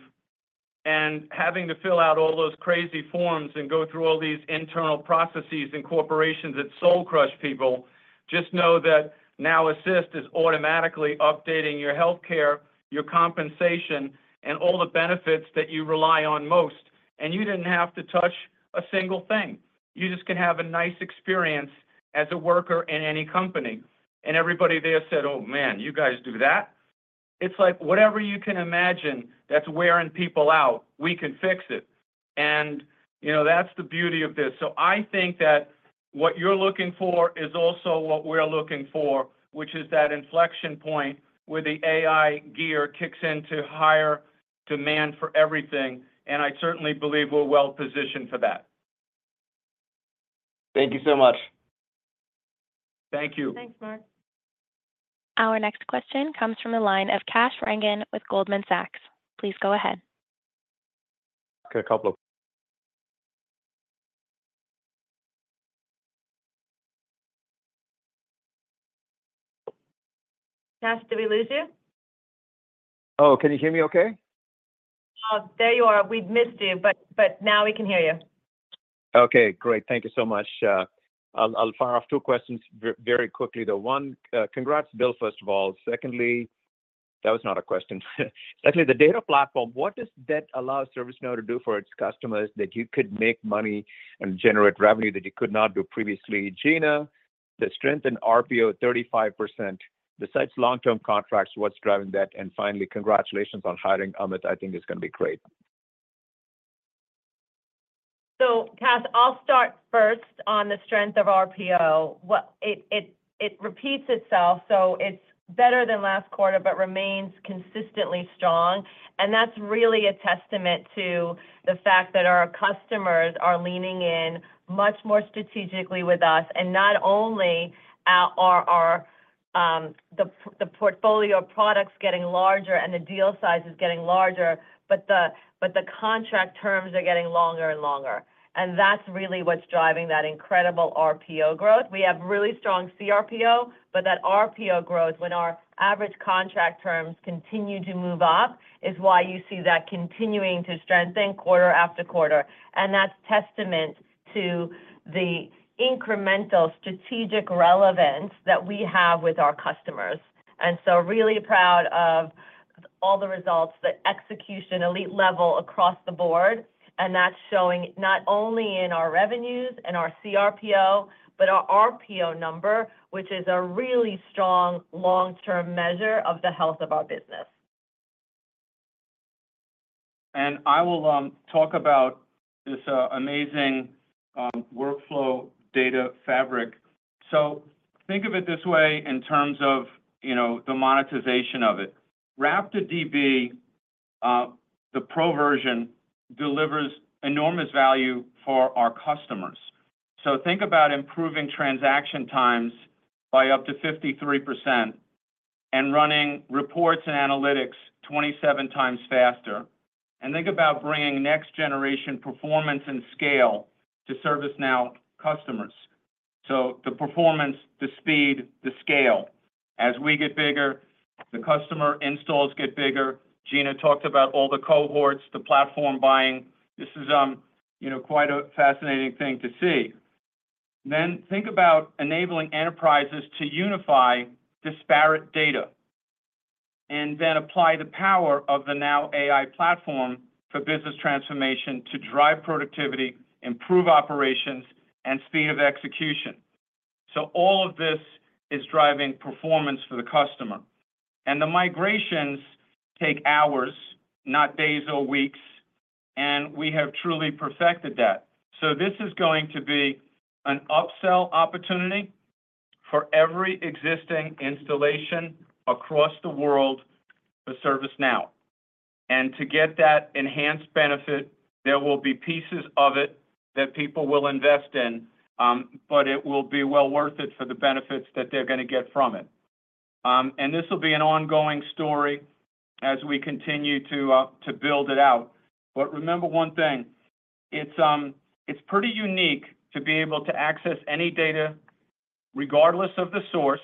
and having to fill out all those crazy forms and go through all these internal processes and corporations that soul crush people, just know that Now Assist is automatically updating your health care, your compensation, and all the benefits that you rely on most, and you didn't have to touch a single thing. You just can have a nice experience as a worker in any company. And everybody there said, "Oh, man, you guys do that?" It's like, whatever you can imagine that's wearing people out, we can fix it. And, you know, that's the beauty of this. So I think that what you're looking for is also what we're looking for, which is that inflection point where the AI gear kicks into higher demand for everything, and I certainly believe we're well positioned for that. Thank you so much. Thank you. Thanks, Mark. Our next question comes from the line of Kash Rangan with Goldman Sachs. Please go ahead. Okay, a couple of. Kash, did we lose you? Oh, can you hear me okay? Oh, there you are. We'd missed you, but now we can hear you. Okay, great. Thank you so much. I'll fire off two questions very quickly, though. One, congrats, Bill, first of all. Secondly... That was not a question. Secondly, the data platform, what does that allow ServiceNow to do for its customers, that you could make money and generate revenue that you could not do previously? Gina, the strength in RPO, 35%. Besides long-term contracts, what's driving that? And finally, congratulations on hiring Amit. I think it's gonna be great. So Kash, I'll start first on the strength of RPO. What it repeats itself, so it's better than last quarter, but remains consistently strong, and that's really a testament to the fact that our customers are leaning in much more strategically with us. And not only are our portfolio of products getting larger and the deal size is getting larger, but the contract terms are getting longer and longer, and that's really what's driving that incredible RPO growth. We have really strong CRPO, but that RPO growth, when our average contract terms continue to move up, is why you see that continuing to strengthen quarter after quarter, and that's testament to the incremental strategic relevance that we have with our customers. And so really proud of all the results, the execution, elite level across the board, and that's showing not only in our revenues and our CRPO, but our RPO number, which is a really strong long-term measure of the health of our business. I will talk about this amazing Workflow Data Fabric. So think of it this way in terms of, you know, the monetization of it. RaptorDB, the Pro version, delivers enormous value for our customers. So think about improving transaction times by up to 53% and running reports and analytics 27x faster, and think about bringing next-generation performance and scale to ServiceNow customers. So the performance, the speed, the scale. As we get bigger, the customer installs get bigger. Gina talked about all the cohorts, the platform buying. This is, you know, quite a fascinating thing to see. Then think about enabling enterprises to unify disparate data, and then apply the power of the Now AI Platform for business transformation to drive productivity, improve operations, and speed of execution. So all of this is driving performance for the customer. The migrations take hours, not days or weeks, and we have truly perfected that. This is going to be an upsell opportunity for every existing installation across the world for ServiceNow. To get that enhanced benefit, there will be pieces of it that people will invest in, but it will be well worth it for the benefits that they're gonna get from it. This will be an ongoing story as we continue to build it out. Remember one thing: it's pretty unique to be able to access any data, regardless of the source,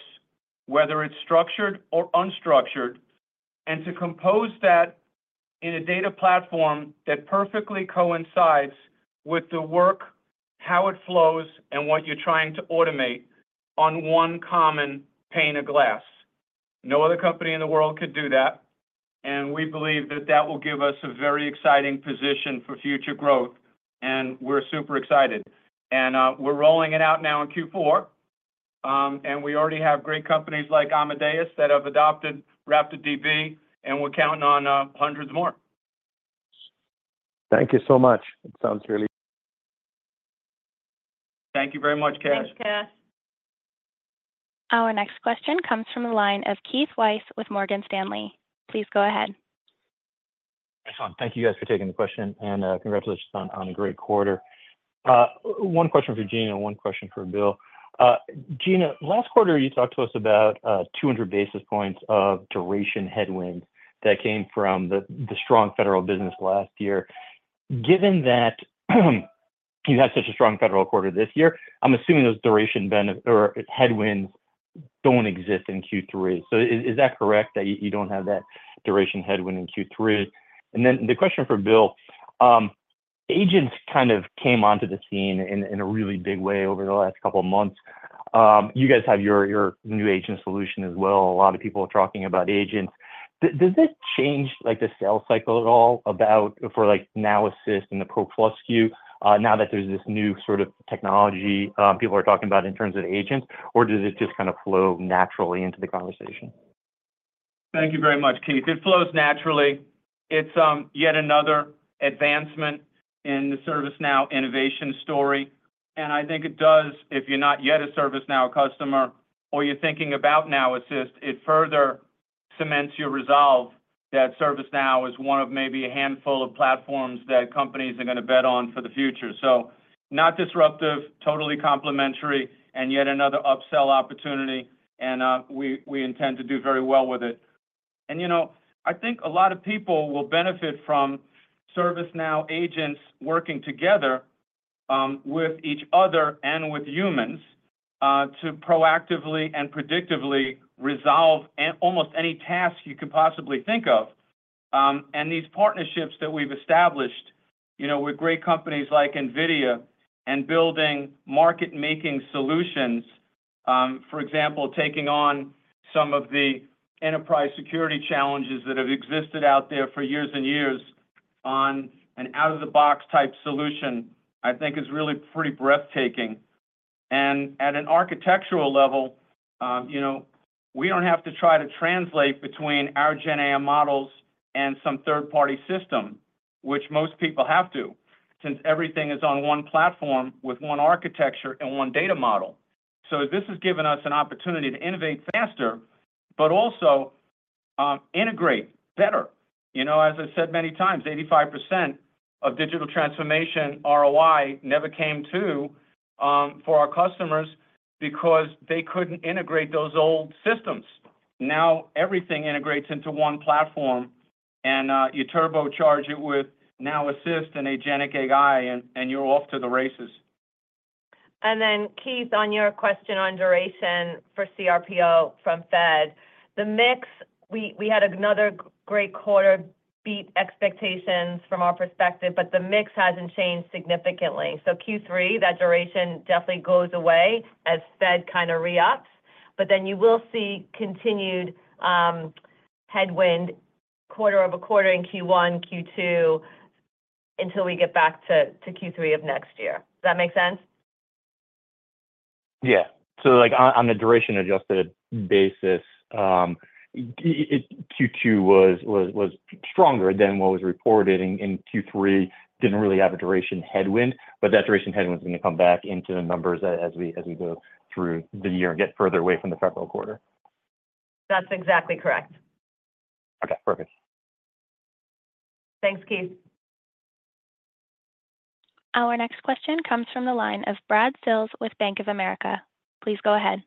whether it's structured or unstructured, and to compose that in a data platform that perfectly coincides with the work, how it flows, and what you're trying to automate on one common pane of glass. No other company in the world could do that, and we believe that that will give us a very exciting position for future growth, and we're super excited. And we're rolling it out now in Q4. And we already have great companies like Amadeus that have adopted RaptorDB, and we're counting on hundreds more. Thank you so much. It sounds really- Thank you very much, Kash. Thanks, Kash. Our next question comes from the line of Keith Weiss with Morgan Stanley. Please go ahead. Thanks a lot. Thank you, guys, for taking the question, and congratulations on a great quarter. One question for Gina and one question for Bill. Gina, last quarter, you talked to us about two hundred basis points of duration headwind that came from the strong federal business last year. Given that, you had such a strong federal quarter this year, I'm assuming those duration benefit or headwinds don't exist in Q3. So is that correct, that you don't have that duration headwind in Q3? And then the question for Bill, agents kind of came onto the scene in a really big way over the last couple of months. You guys have your new agent solution as well. A lot of people are talking about agents. Does this change, like, the sales cycle at all about for, like, Now Assist and the ProPlus SKU, now that there's this new sort of technology people are talking about in terms of agents? Or does it just kind of flow naturally into the conversation? Thank you very much, Keith. It flows naturally. It's yet another advancement in the ServiceNow innovation story, and I think it doesIf you're not yet a ServiceNow customer or you're thinking about Now Assist, it further cements your resolve that ServiceNow is one of maybe a handful of platforms that companies are gonna bet on for the future. So not disruptive, totally complementary, and yet another upsell opportunity, and we intend to do very well with it. And, you know, I think a lot of people will benefit from ServiceNow agents working together with each other and with humans to proactively and predictively resolve almost any task you could possibly think of. And these partnerships that we've established, you know, with great companies like NVIDIA and building market-making solutions, for example, taking on some of the enterprise security challenges that have existed out there for years and years on an out-of-the-box type solution, I think is really pretty breathtaking. And at an architectural level, you know, we don't have to try to translate between our GenAI models and some third-party system, which most people have to, since everything is on one platform with one architecture and one data model. So this has given us an opportunity to innovate faster, but also, integrate better. You know, as I said many times, 85% of digital transformation ROI never came to, for our customers because they couldn't integrate those old systems. Now, everything integrates into one platform, and you turbocharge it with Now Assist and Agentic AI, and you're off to the races. And then, Keith, on your question on duration for CRPO from Fed, the mix, we had another great quarter, beat expectations from our perspective, but the mix hasn't changed significantly. So Q3, that duration definitely goes away as Fed kind of re-ups, but then you will see continued headwind quarter over quarter in Q1, Q2, until we get back to Q3 of next year. Does that make sense? Yeah. So, like, on the duration-adjusted basis, Q2 was stronger than what was reported in Q3. Didn't really have a duration headwind, but that duration headwind is going to come back into the numbers as we go through the year and get further away from the federal quarter. That's exactly correct. Okay, perfect. Thanks, Keith. Our next question comes from the line of Brad Sills with Bank of America. Please go ahead.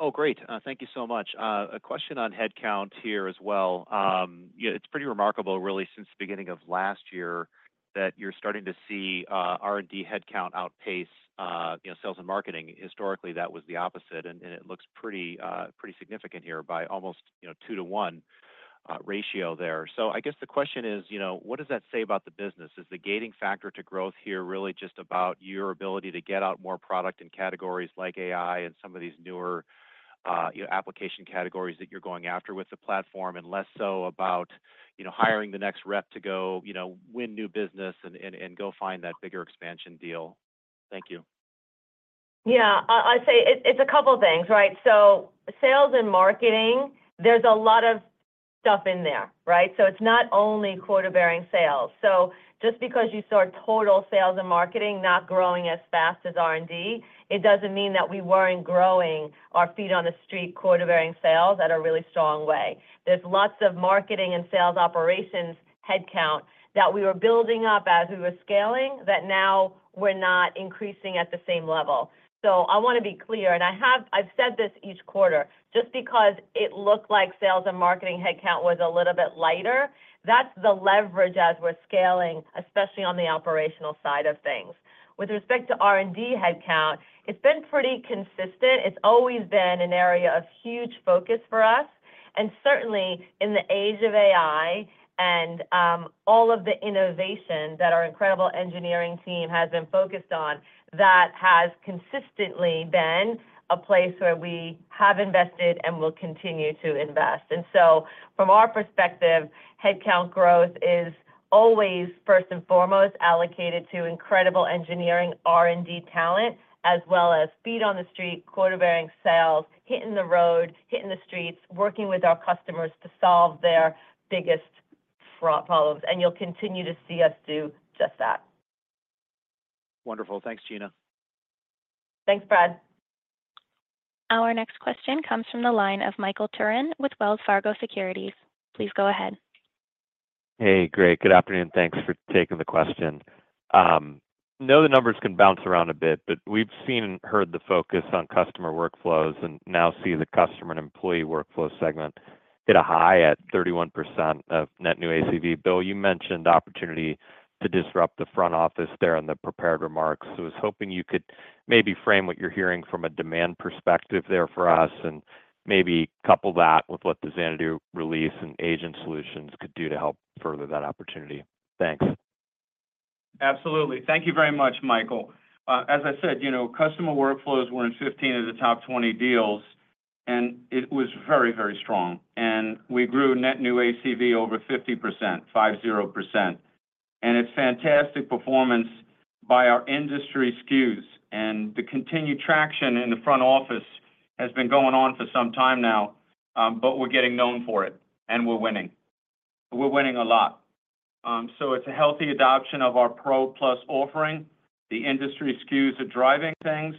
Oh, great. Thank you so much. A question on headcount here as well. Yeah, it's pretty remarkable, really, since the beginning of last year, that you're starting to see R&D headcount outpace you know, sales and marketing. Historically, that was the opposite, and it looks pretty pretty significant here by almost you know, two-to-one ratio there. So I guess the question is, you know, what does that say about the business? Is the gating factor to growth here really just about your ability to get out more product in categories like AI and some of these newer you know, application categories that you're going after with the platform, and less so about you know, hiring the next rep to go you know, win new business and go find that bigger expansion deal? Thank you. Yeah, I'd say it's a couple things, right? So sales and marketing, there's a lot of stuff in there, right? So it's not only quota-bearing sales. So just because you saw total sales and marketing not growing as fast as R&D, it doesn't mean that we weren't growing our feet on the street quota-bearing sales at a really strong way. There's lots of marketing and sales operations headcount that we were building up as we were scaling, that now we're not increasing at the same level. So I wanna be clear, and I've said this each quarter: just because it looked like sales and marketing headcount was a little bit lighter, that's the leverage as we're scaling, especially on the operational side of things. With respect to R&D headcount, it's been pretty consistent. It's always been an area of huge focus for us, and certainly in the age of AI and all of the innovation that our incredible engineering team has been focused on, that has consistently been a place where we have invested and will continue to invest. And so, from our perspective, headcount growth is always, first and foremost, allocated to incredible engineering R&D talent, as well as feet on the street, quota-bearing sales, hitting the road, hitting the streets, working with our customers to solve their biggest problems, and you'll continue to see us do just that. Wonderful. Thanks, Gina. Thanks, Brad. Our next question comes from the line of Michael Turrin with Wells Fargo Securities. Please go ahead. Hey, great. Good afternoon, thanks for taking the question. You know the numbers can bounce around a bit, but we've seen and heard the focus on customer workflows, and now see the Customer and Employee Workflow segment hit a high at 31% of net new ACV. Bill, you mentioned opportunity to disrupt the front office there on the prepared remarks. So I was hoping you could maybe frame what you're hearing from a demand perspective there for us, and maybe couple that with what the Xanadu release and agent solutions could do to help further that opportunity. Thanks. Absolutely. Thank you very much, Michael. As I said, you know, Customer Workflows were in fifteen of the top twenty deals, and it was very, very strong, and we grew net new ACV over 50%, 50%, and it's fantastic performance by our industry SKUs, and the continued traction in the front office has been going on for some time now, but we're getting known for it, and we're winning. We're winning a lot, so it's a healthy adoption of our ProPlus offering. The industry SKUs are driving things.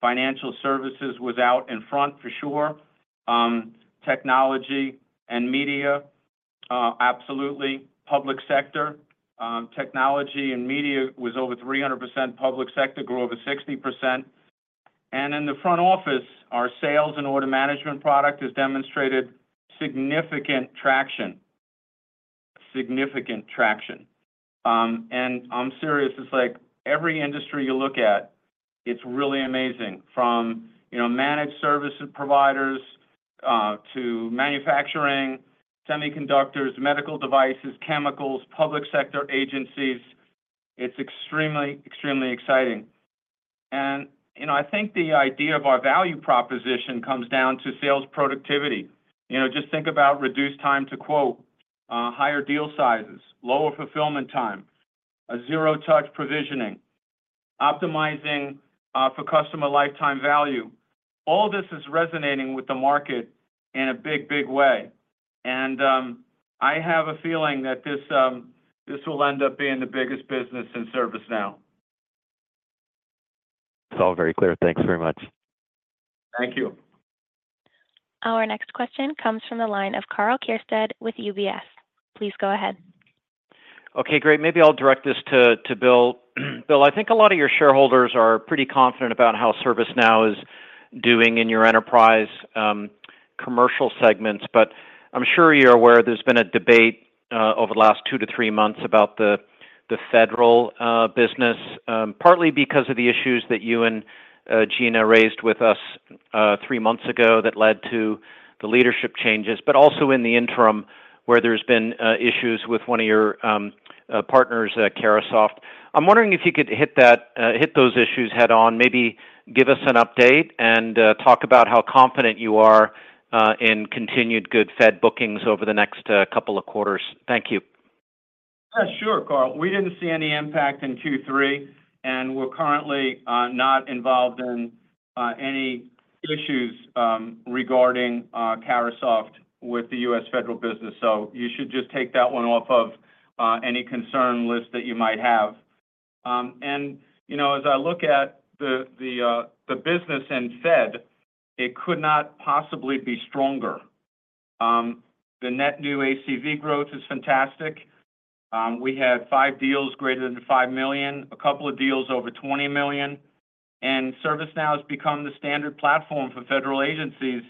Financial Services was out in front for sure. Technology and Media, absolutely. Public Sector, Technology and Media was over 300%. Public Sector grew over 60%, and in the front office, our Sales and Order Management product has demonstrated significant traction. Significant traction. And I'm serious, it's like every industry you look at, it's really amazing. From, you know, managed services providers, to manufacturing, semiconductors, medical devices, chemicals, public sector agencies, it's extremely, extremely exciting. And, you know, I think the idea of our value proposition comes down to sales productivity. You know, just think about reduced time to quote, higher deal sizes, lower fulfillment time, a zero-touch provisioning, optimizing, for customer lifetime value. All this is resonating with the market in a big, big way. And, I have a feeling that this, this will end up being the biggest business in ServiceNow. It's all very clear. Thanks very much. Thank you. Our next question comes from the line of Karl Keirstead with UBS. Please go ahead. Okay, great. Maybe I'll direct this to Bill. Bill, I think a lot of your shareholders are pretty confident about how ServiceNow is doing in your enterprise commercial segments, but I'm sure you're aware there's been a debate over the last two to three months about the federal business, partly because of the issues that you and Gina raised with us three months ago that led to the leadership changes, but also in the interim, where there's been issues with one of your partners, Carahsoft. I'm wondering if you could hit that, hit those issues head on, maybe give us an update, and talk about how confident you are in continued good Fed bookings over the next couple of quarters. Thank you. Sure, Karl. We didn't see any impact in Q3, and we're currently not involved in any issues regarding Carahsoft with the U.S. federal business. So you should just take that one off of any concern list that you might have, and you know, as I look at the business in Fed, it could not possibly be stronger. The net new ACV growth is fantastic. We had five deals greater than $5 million, a couple of deals over $20 million, and ServiceNow has become the standard platform for federal agencies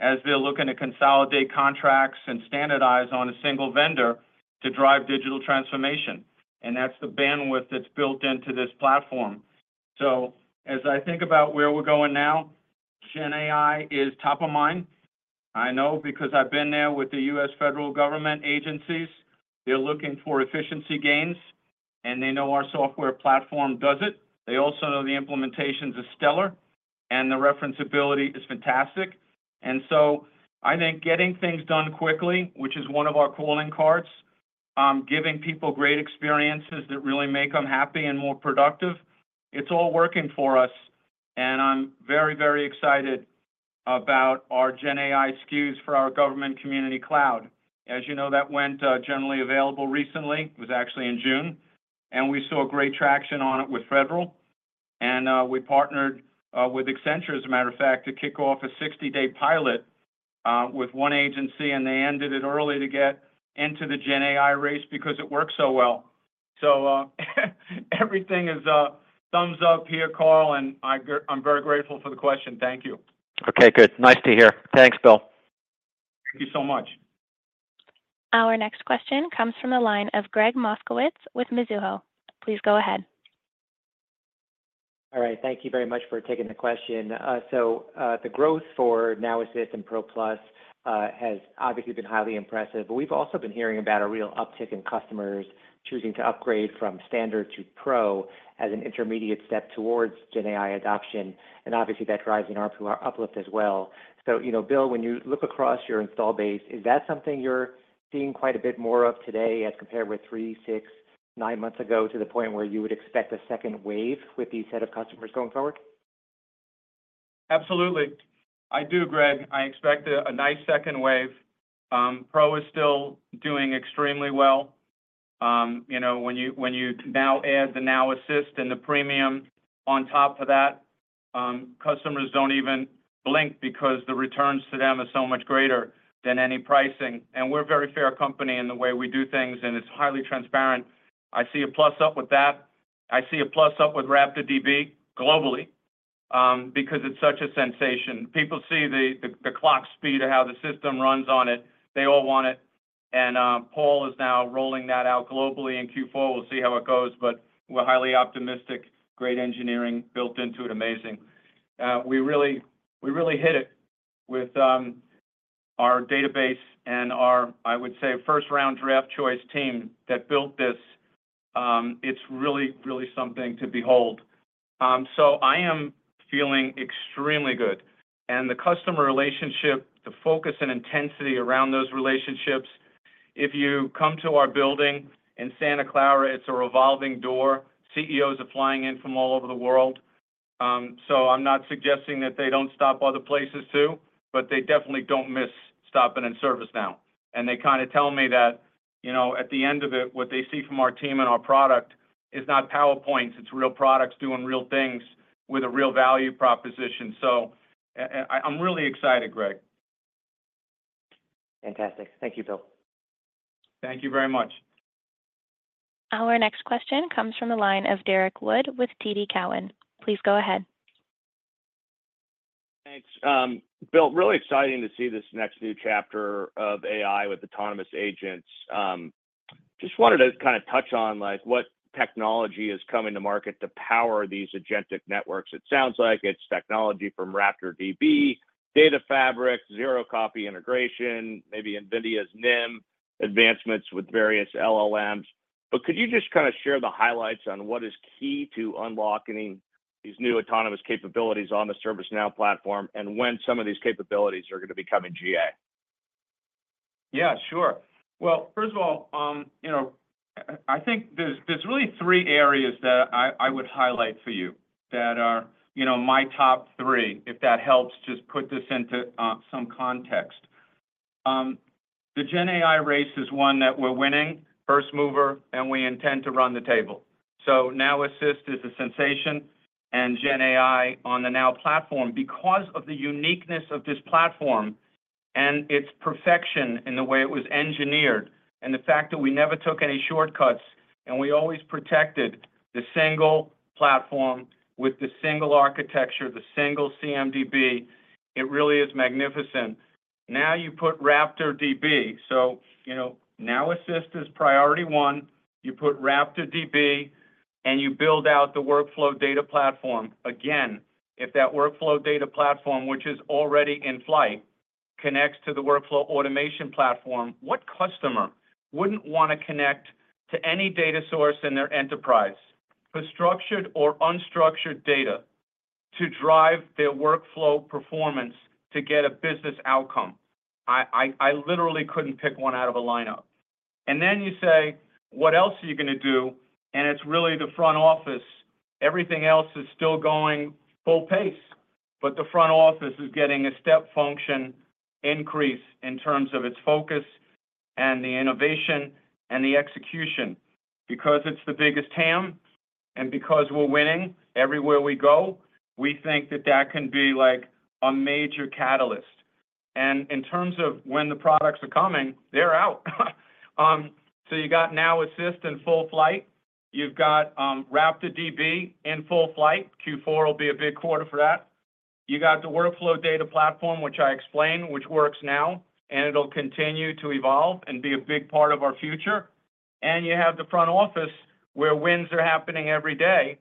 as they're looking to consolidate contracts and standardize on a single vendor to drive digital transformation, and that's the bandwidth that's built into this platform. So as I think about where we're going now, GenAI is top of mind. I know because I've been there with the U.S. federal government agencies. They're looking for efficiency gains, and they know our software platform does it. They also know the implementations are stellar, and the referenceability is fantastic. And so I think getting things done quickly, which is one of our calling cards, giving people great experiences that really make them happy and more productive. It's all working for us, and I'm very, very excited about our GenAI SKUs for our Government Community Cloud. As you know, that went generally available recently. It was actually in June, and we saw great traction on it with federal. And we partnered with Accenture, as a matter of fact, to kick off a sixty-day pilot with one agency, and they ended it early to get into the GenAI race because it worked so well. Everything is thumbs up here, Karl, and I'm very grateful for the question. Thank you. Okay, good. Nice to hear. Thanks, Bill. Thank you so much. Our next question comes from the line of Gregg Moskowitz with Mizuho. Please go ahead. All right. Thank you very much for taking the question. So, the growth for Now Assist and Pro Plus has obviously been highly impressive, but we've also been hearing about a real uptick in customers choosing to upgrade from Standard to Pro as an intermediate step towards GenAI adoption, and obviously, that drives in our uplift as well, so, you know, Bill, when you look across your install base, is that something you're seeing quite a bit more of today as compared with three, six, nine months ago, to the point where you would expect a second wave with these set of customers going forward? Absolutely. I do, Gregg. I expect a nice second wave. Pro is still doing extremely well. You know, when you now add the Now Assist and the premium on top of that, customers don't even blink because the returns to them are so much greater than any pricing. And we're a very fair company in the way we do things, and it's highly transparent. I see a plus-up with that. I see a plus up with RaptorDB globally, because it's such a sensation. People see the clock speed of how the system runs on it. They all want it, and Paul is now rolling that out globally in Q4. We'll see how it goes, but we're highly optimistic. Great engineering built into it, amazing. We really, we really hit it with our database and our, I would say, first-round draft choice team that built this. It's really, really something to behold. So I am feeling extremely good. And the customer relationship, the focus and intensity around those relationships, if you come to our building in Santa Clara, it's a revolving door. CEOs are flying in from all over the world. So I'm not suggesting that they don't stop other places, too, but they definitely don't miss stopping in ServiceNow. And they kinda tell me that, you know, at the end of it, what they see from our team and our product is not PowerPoints, it's real products doing real things with a real value proposition. So I'm really excited, Gregg. Fantastic. Thank you, Bill. Thank you very much. Our next question comes from the line of Derrick Wood with TD Cowen. Please go ahead. Thanks. Bill, really exciting to see this next new chapter of AI with autonomous agents. Just wanted to kind of touch on, like, what technology is coming to market to power these agentic networks. It sounds like it's technology from RaptorDB, Data Fabric, Zero-Copy integration, maybe NVIDIA's NIM, advancements with various LLMs. But could you just kind of share the highlights on what is key to unlocking these new autonomous capabilities on the ServiceNow platform, and when some of these capabilities are going to be coming GA? Yeah, sure. Well, first of all, you know, I think there's really three areas that I would highlight for you that are, you know, my top three, if that helps just put this into some context. The GenAI race is one that we're winning, first mover, and we intend to run the table. So Now Assist is a sensation and GenAI on the Now Platform. Because of the uniqueness of this platform and its perfection in the way it was engineered, and the fact that we never took any shortcuts, and we always protected the single platform with the single architecture, the single CMDB, it really is magnificent. Now, you put RaptorDB. So you know, Now Assist is priority one. You put RaptorDB, and you build out the Workflow Data Fabric. Again, if that Workflow Data Fabric, which is already in flight, connects to the Now Platform, what customer wouldn't want to connect to any data source in their enterprise for structured or unstructured data to drive their workflow performance to get a business outcome? I literally couldn't pick one out of a lineup, and then you say, "What else are you gonna do?" And it's really the front office. Everything else is still going full pace, but the front office is getting a step function increase in terms of its focus and the innovation and the execution. Because it's the biggest TAM and because we're winning everywhere we go, we think that that can be, like, a major catalyst, and in terms of when the products are coming, they're out. So you got Now Assist in full flight. You've got RaptorDB in full flight. Q4 will be a big quarter for that. You got the Workflow Data Fabric, which I explained, which works now, and it'll continue to evolve and be a big part of our future. And you have the front office, where wins are happening every day,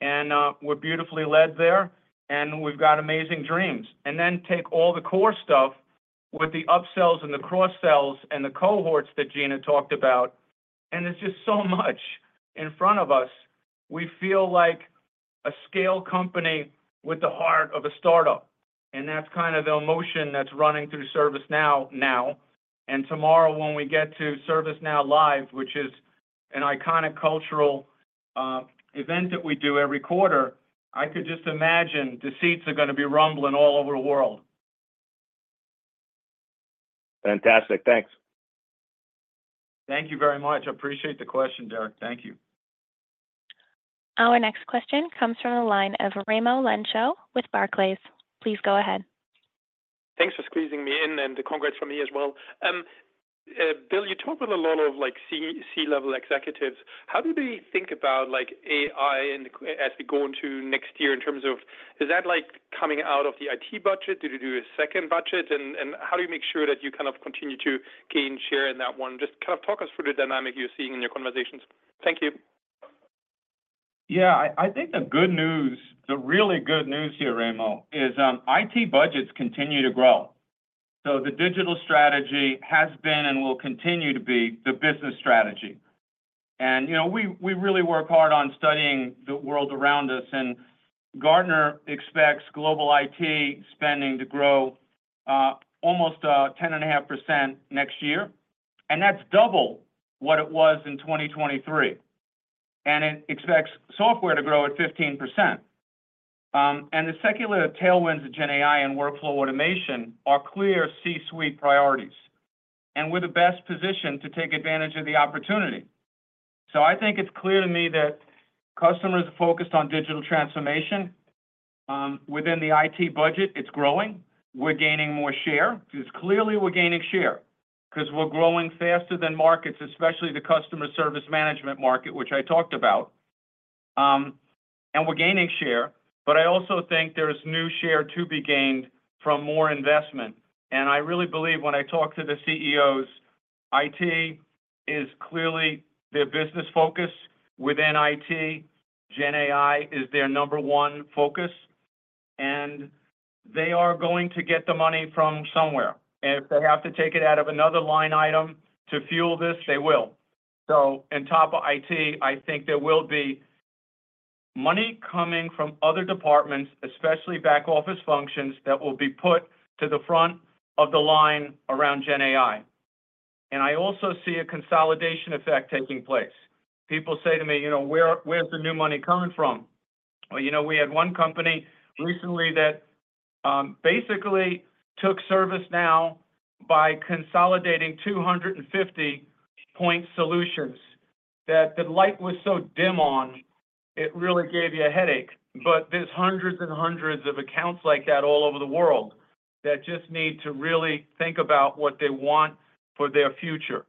and we're beautifully led there, and we've got amazing dreams. And then take all the core stuff with the upsells and the cross-sells and the cohorts that Gina talked about, and it's just so much in front of us. We feel like a scale company with the heart of a startup, and that's kind of the emotion that's running through ServiceNow now. And tomorrow, when we get to ServiceNow Live, which is an iconic cultural event that we do every quarter, I could just imagine the seats are gonna be rumbling all over the world. Fantastic. Thanks. Thank you very much. I appreciate the question, Derrick. Thank you. Our next question comes from the line of Raimo Lenschow with Barclays. Please go ahead. Thanks for squeezing me in, and congrats from me as well. Bill, you talk with a lot of, like, C-level executives. How do they think about, like, AI and as we go into next year in terms of, is that like coming out of the IT budget? Do you do a second budget? And how do you make sure that you kind of continue to gain share in that one? Just kind of talk us through the dynamic you're seeing in your conversations. Thank you. Yeah, I think the good news, the really good news here, Raimo, is IT budgets continue to grow. So the digital strategy has been and will continue to be the business strategy. And, you know, we really work hard on studying the world around us, and Gartner expects global IT spending to grow almost 10.5% next year, and that's double what it was in 2023. And it expects software to grow at 15%. And the secular tailwinds of GenAI and workflow automation are clear C-suite priorities, and we're the best positioned to take advantage of the opportunity. So I think it's clear to me that customers are focused on digital transformation. Within the IT budget, it's growing. We're gaining more share. 'Cause clearly we're gaining share, 'cause we're growing faster than markets, especially the customer service management market, which I talked about, and we're gaining share, but I also think there is new share to be gained from more investment, and I really believe when I talk to the CEOs, IT is clearly their business focus. Within IT, GenAI is their number one focus, and they are going to get the money from somewhere, and if they have to take it out of another line item to fuel this, they will, so on top of IT, I think there will be money coming from other departments, especially back office functions, that will be put to the front of the line around GenAI, and I also see a consolidation effect taking place. People say to me, you know, "Where's the new money coming from?" Well, you know, we had one company recently that basically took ServiceNow by consolidating 250 point solutions, that the light was so dim on, it really gave you a headache. But there's hundreds and hundreds of accounts like that all over the world, that just need to really think about what they want for their future,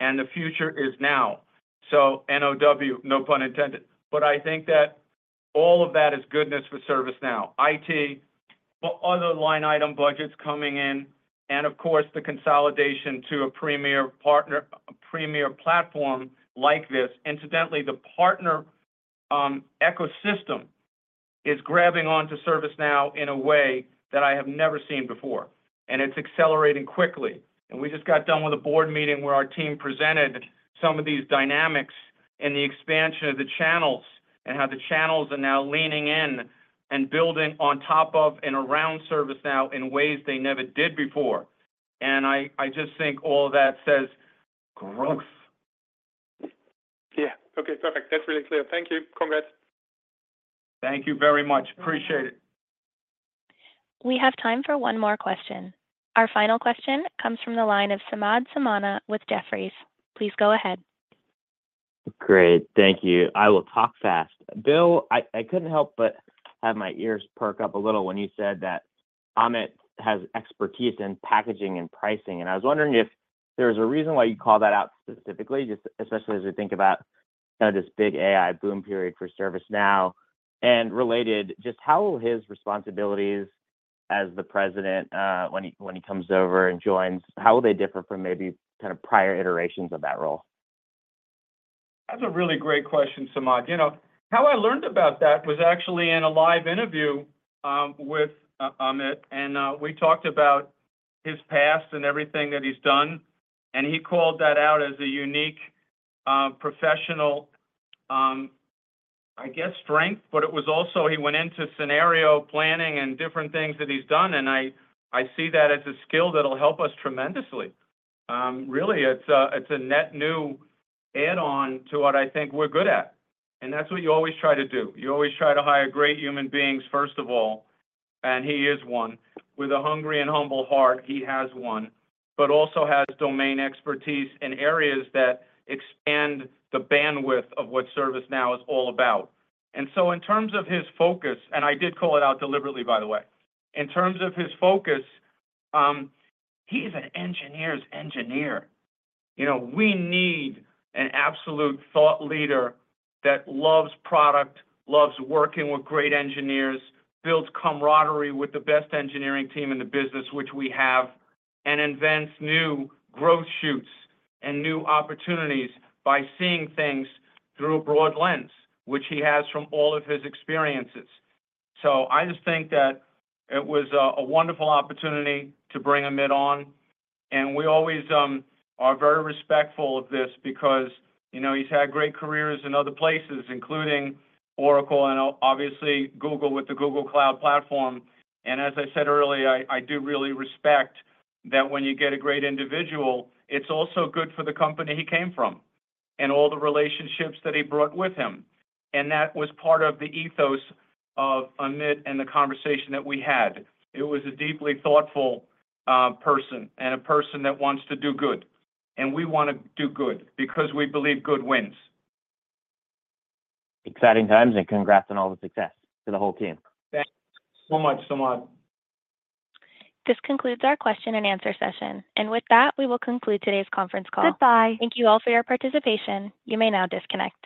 and the future is now, so NOW, no pun intended. But I think that all of that is goodness for ServiceNow, IT, but other line item budgets coming in and, of course, the consolidation to a premier partner, a premier platform like this. Incidentally, the partner ecosystem is grabbing on to ServiceNow in a way that I have never seen before, and it's accelerating quickly. We just got done with a board meeting where our team presented some of these dynamics and the expansion of the channels, and how the channels are now leaning in and building on top of and around ServiceNow in ways they never did before. I just think all of that says growth. Yeah. Okay, perfect. That's really clear. Thank you. Congrats. Thank you very much. Appreciate it. We have time for one more question. Our final question comes from the line of Samad Samana with Jefferies. Please go ahead. Great. Thank you. I will talk fast. Bill, I couldn't help but have my ears perk up a little when you said that Amit has expertise in packaging and pricing, and I was wondering if there was a reason why you call that out specifically, just especially as we think about kind of this big AI boom period for ServiceNow. And related, just how will his responsibilities as the president, when he comes over and joins, how will they differ from maybe kind of prior iterations of that role? That's a really great question, Samad. You know, how I learned about that was actually in a live interview with Amit, and we talked about his past and everything that he's done, and he called that out as a unique professional, I guess, strength, but it was also he went into scenario planning and different things that he's done, and I see that as a skill that'll help us tremendously. Really, it's a net new add-on to what I think we're good at, and that's what you always try to do. You always try to hire great human beings, first of all, and he is one. With a hungry and humble heart, he has one, but also has domain expertise in areas that expand the bandwidth of what ServiceNow is all about. In terms of his focus, and I did call it out deliberately, by the way, in terms of his focus, he is an engineer's engineer. You know, we need an absolute thought leader that loves product, loves working with great engineers, builds camaraderie with the best engineering team in the business, which we have, and invents new growth shoots and new opportunities by seeing things through a broad lens, which he has from all of his experiences. I just think that it was a wonderful opportunity to bring Amit on, and we always are very respectful of this because, you know, he's had great careers in other places, including Oracle and obviously Google with the Google Cloud platform. And as I said earlier, I do really respect that when you get a great individual, it's also good for the company he came from and all the relationships that he brought with him. And that was part of the ethos of Amit and the conversation that we had. It was a deeply thoughtful person and a person that wants to do good, and we want to do good because we believe good wins. Exciting times, and congrats on all the success to the whole team. Thanks so much, Samad. This concludes our question and answer session, and with that, we will conclude today's conference call. Goodbye. Thank you all for your participation. You may now disconnect.